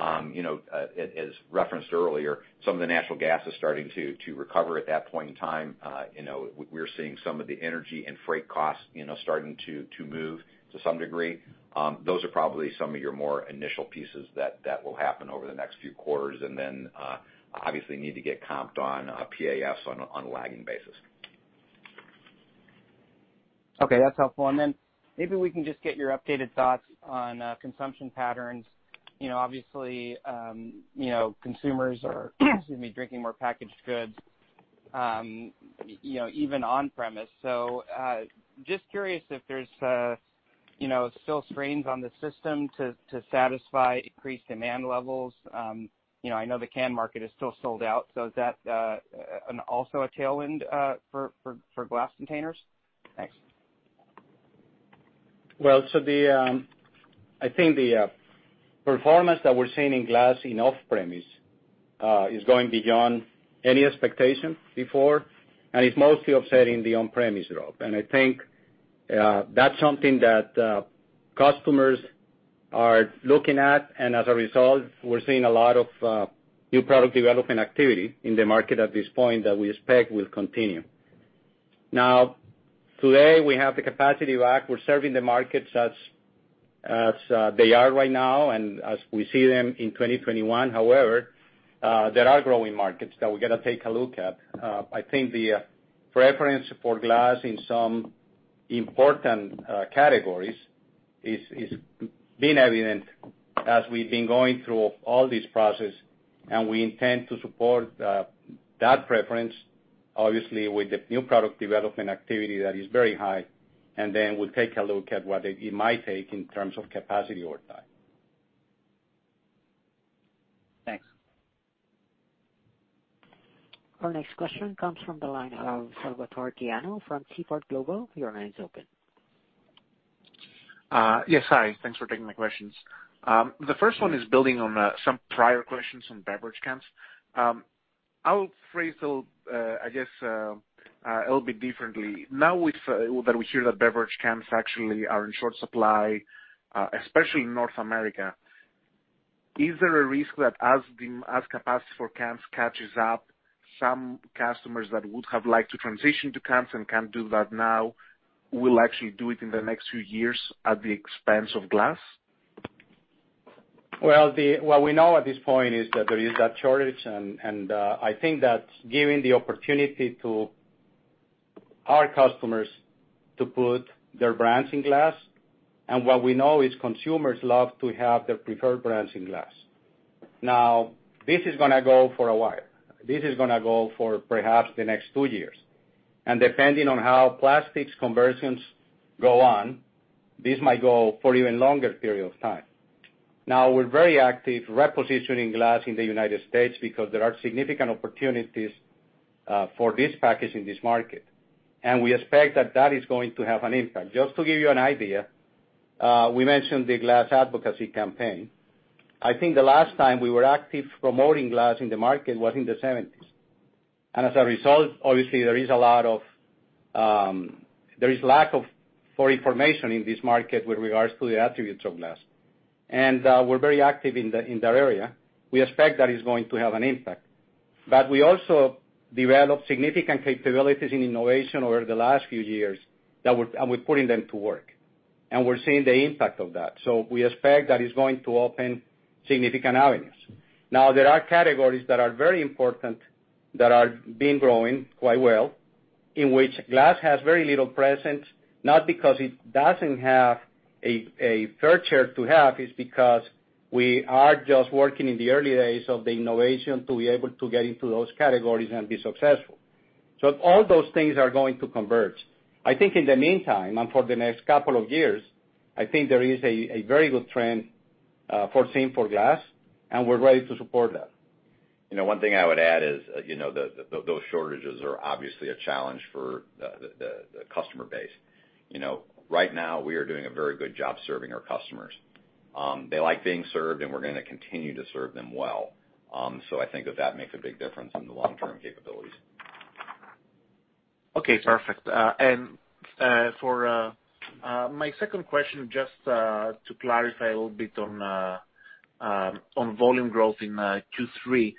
as referenced earlier, some of the natural gas is starting to recover at that point in time. We're seeing some of the energy and freight costs starting to move to some degree. Those are probably some of your more initial pieces that will happen over the next few quarters and then obviously need to get comped on PAFs on a lagging basis. Okay, that's helpful. Maybe we can just get your updated thoughts on consumption patterns. Obviously, consumers are excuse me, drinking more packaged goods even on-premise. Just curious if there's still strains on the system to satisfy increased demand levels. I know the can market is still sold out. Is that also a tail end for glass containers? Thanks. Well, I think the performance that we're seeing in glass in off-premise is going beyond any expectation before, and it's mostly offsetting the on-premise drop. I think that's something that customers are looking at, and as a result, we're seeing a lot of new product development activity in the market at this point that we expect will continue. Now, today, we have the capacity to act. We're serving the markets as they are right now, and as we see them in 2021. However, there are growing markets that we got to take a look at. I think the preference for glass in some important categories is been evident as we've been going through all this process, and we intend to support that preference, obviously, with the new product development activity that is very high. We'll take a look at what it might take in terms of capacity over time. Thanks. Our next question comes from the line of Salvator Tiano from Seaport Global. Your line is open. Yes. Hi. Thanks for taking my questions. The first one is building on some prior questions on beverage cans. I would phrase, I guess, a little bit differently. Now that we hear that beverage cans actually are in short supply, especially in North America, is there a risk that as capacity for cans catches up, some customers that would have liked to transition to cans and can't do that now will actually do it in the next few years at the expense of glass? We know at this point is that there is that shortage, and I think that giving the opportunity to our customers to put their brands in glass, and what we know is consumers love to have their preferred brands in glass. This is going to go for a while. This is going to go for perhaps the next two years. Depending on how plastics conversions go on, this might go for even longer period of time. We're very active repositioning glass in the United States because there are significant opportunities for this package in this market. We expect that that is going to have an impact. Just to give you an idea, we mentioned the glass advocacy campaign. I think the last time we were active promoting glass in the market was in the 1970s. As a result, obviously, there is lack of information in this market with regards to the attributes of glass. We're very active in that area. We expect that is going to have an impact. We also developed significant capabilities in innovation over the last few years, and we're putting them to work. We're seeing the impact of that. We expect that is going to open significant avenues. There are categories that are very important, that have been growing quite well, in which glass has very little presence, not because it doesn't have a fair share to have, it's because we are just working in the early days of the innovation to be able to get into those categories and be successful. All those things are going to converge. I think in the meantime, and for the next couple of years, I think there is a very good trend, foreseen for glass, and we're ready to support that. One thing I would add is, those shortages are obviously a challenge for the customer base. Right now, we are doing a very good job serving our customers. They like being served, and we're going to continue to serve them well. I think that that makes a big difference in the long-term capabilities. Okay, perfect. For my second question, just to clarify a little bit on volume growth in Q3.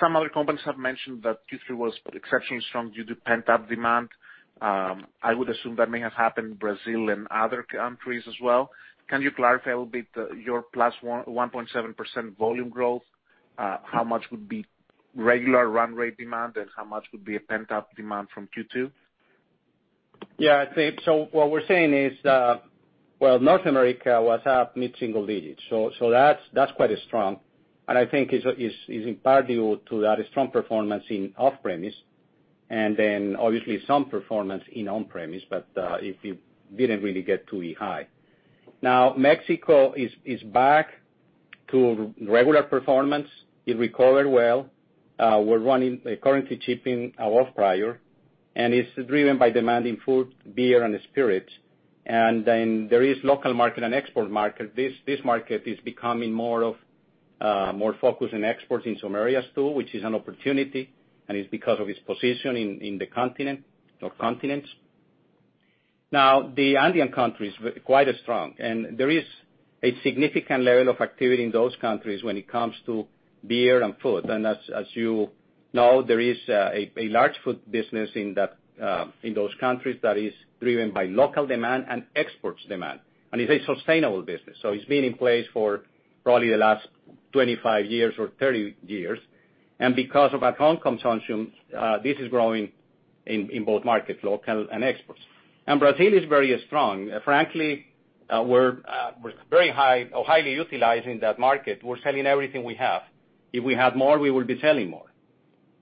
Some other companies have mentioned that Q3 was exceptionally strong due to pent-up demand. I would assume that may have happened in Brazil and other countries as well. Can you clarify a little bit your +1.7% volume growth? How much would be regular run rate demand and how much would be a pent-up demand from Q2? What we're saying is, well, North America was up mid-single digits. That's quite strong, and I think is in part due to that strong performance in off-premise, and then obviously some performance in on-premise, but it didn't really get too high. Mexico is back to regular performance. It recovered well. We're running currently shipping off prior, and it's driven by demanding food, beer, and spirits. There is local market and an export market. This market is becoming more focused on exports in some areas, too, which is an opportunity, and it's because of its position in the continent or continents. The Andean countries are quite strong. There is a significant level of activity in those countries when it comes to beer and food. As you know, there is a large food business in those countries that is driven by local demand and exports demand, and it's a sustainable business. It's been in place for probably the last 25 years or 30 years. Because of at-home consumption, this is growing in both markets, local and exports. Brazil is very strong. Frankly, we're very high or highly utilizing that market. We're selling everything we have. If we had more, we would be selling more.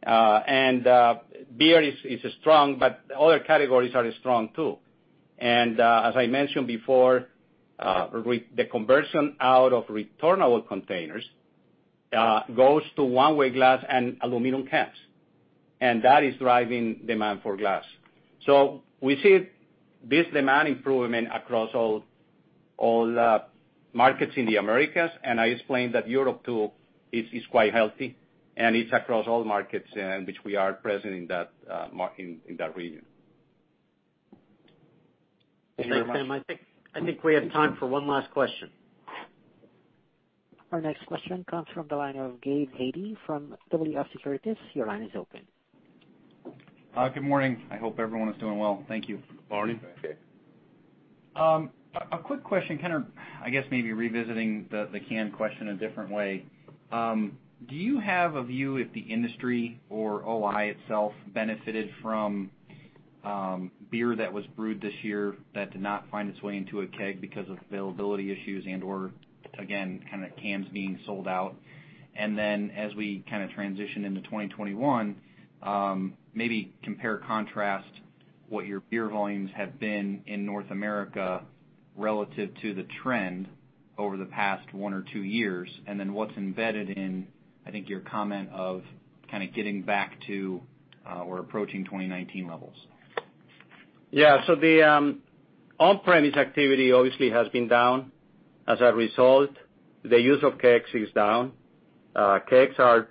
Beer is strong, but other categories are strong too. As I mentioned before, the conversion out of returnable containers, goes to one-way glass and aluminum cans, and that is driving demand for glass. We see this demand improvement across all markets in the Americas, and I explained that Europe too is quite healthy, and it's across all markets in which we are present in that region. Thank you very much. I think we have time for one last question. Our next question comes from the line of Gabe Hajde from WF Securities. Your line is open. Hi. Good morning. I hope everyone is doing well. Thank you. Morning. A quick question, kind of, I guess, maybe revisiting the can question a different way. Do you have a view if the industry or O-I itself benefited from beer that was brewed this year that did not find its way into a keg because of availability issues and/or, again, kind of cans being sold out? As we kind of transition into 2021, maybe compare and contrast what your beer volumes have been in North America relative to the trend over the past one or two years, and then what's embedded in, I think your comment of kind of getting back to or approaching 2019 levels. Yeah. The on-premise activity obviously has been down. As a result, the use of kegs is down. Kegs are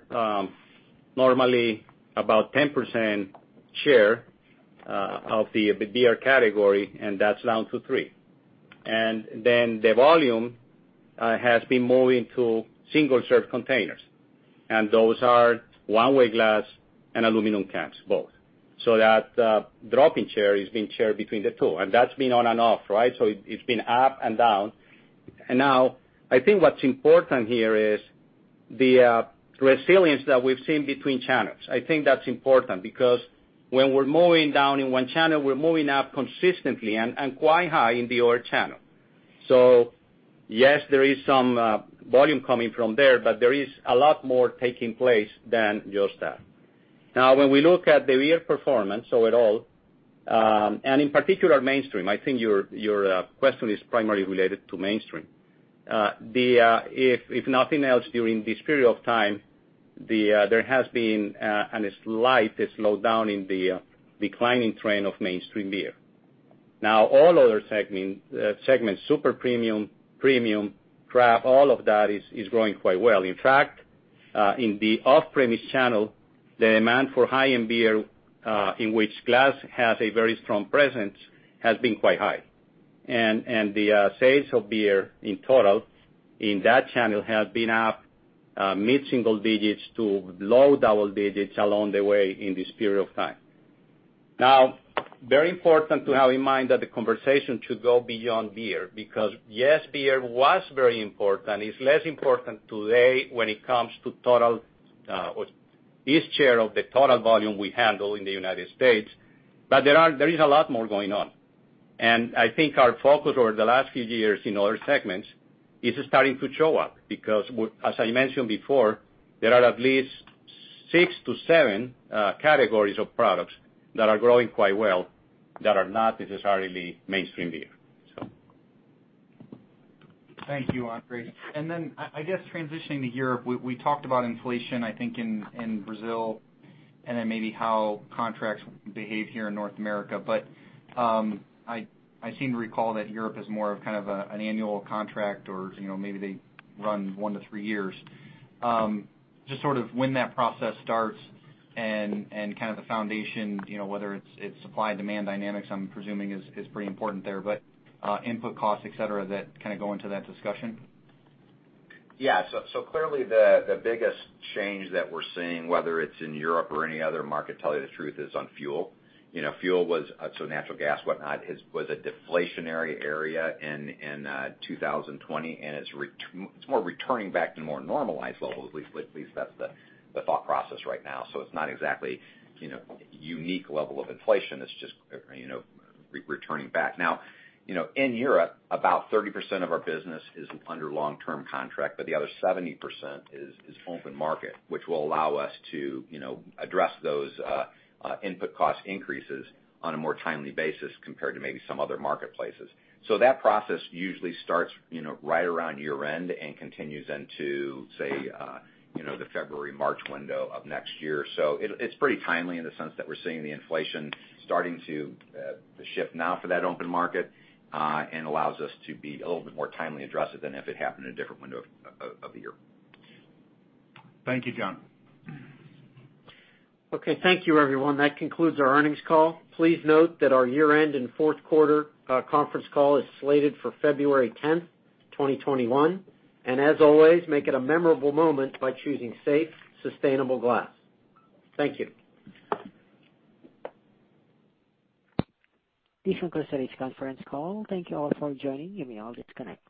normally about 10% share of the beer category, and that's down to 3%. The volume has been moving to single-serve containers, and those are one-way glass and aluminum cans, both. That drop in share is being shared between the two, and that's been on and off, right? It's been up and down. I think what's important here is the resilience that we've seen between channels. I think that's important because when we're moving down in one channel, we're moving up consistently and quite high in the other channel. Yes, there is some volume coming from there, but there is a lot more taking place than just that. When we look at the beer performance overall, and in particular mainstream, I think your question is primarily related to mainstream. If nothing else, during this period of time, there has been a slight slowdown in the declining trend of mainstream beer. All other segments, super premium, craft, all of that is growing quite well. In fact, in the off-premise channel, the demand for high-end beer, in which glass has a very strong presence, has been quite high. The sales of beer in total in that channel have been up mid-single digits to low double digits along the way in this period of time. Very important to have in mind that the conversation should go beyond beer because, yes, beer was very important. It's less important today when it comes to its share of the total volume we handle in the United States. There is a lot more going on. I think our focus over the last few years in other segments is starting to show up because, as I mentioned before, there are at least six to seven categories of products that are growing quite well that are not necessarily mainstream beer. Thank you, Andres. Then, I guess transitioning to Europe, we talked about inflation, I think in Brazil, and then maybe how contracts behave here in North America. I seem to recall that Europe is more of kind of an annual contract or maybe they run one to three years. Just sort of when that process starts and kind of the foundation, whether it's supply and demand dynamics, I'm presuming is pretty important there, but input costs, et cetera, that kind of go into that discussion. Yeah. Clearly, the biggest change that we're seeing, whether it's in Europe or any other market, tell you the truth, is on fuel. Natural gas, whatnot, was a deflationary area in 2020, and it's more returning back to more normalized levels. At least that's the thought process right now. It's not exactly unique level of inflation. It's just returning back. In Europe, about 30% of our business is under long-term contract, but the other 70% is open market, which will allow us to address those input cost increases on a more timely basis compared to maybe some other marketplaces. That process usually starts right around year-end and continues into, say, the February, March window of next year. It's pretty timely in the sense that we're seeing the inflation starting to shift now for that open market and allows us to be a little bit more timely address it than if it happened in a different window of the year. Thank you, John. Okay. Thank you, everyone. That concludes our earnings call. Please note that our year-end and fourth quarter conference call is slated for February 10th, 2021. As always, make it a memorable moment by choosing safe, sustainable glass. Thank you. This concludes today's conference call. Thank you all for joining. You may all disconnect.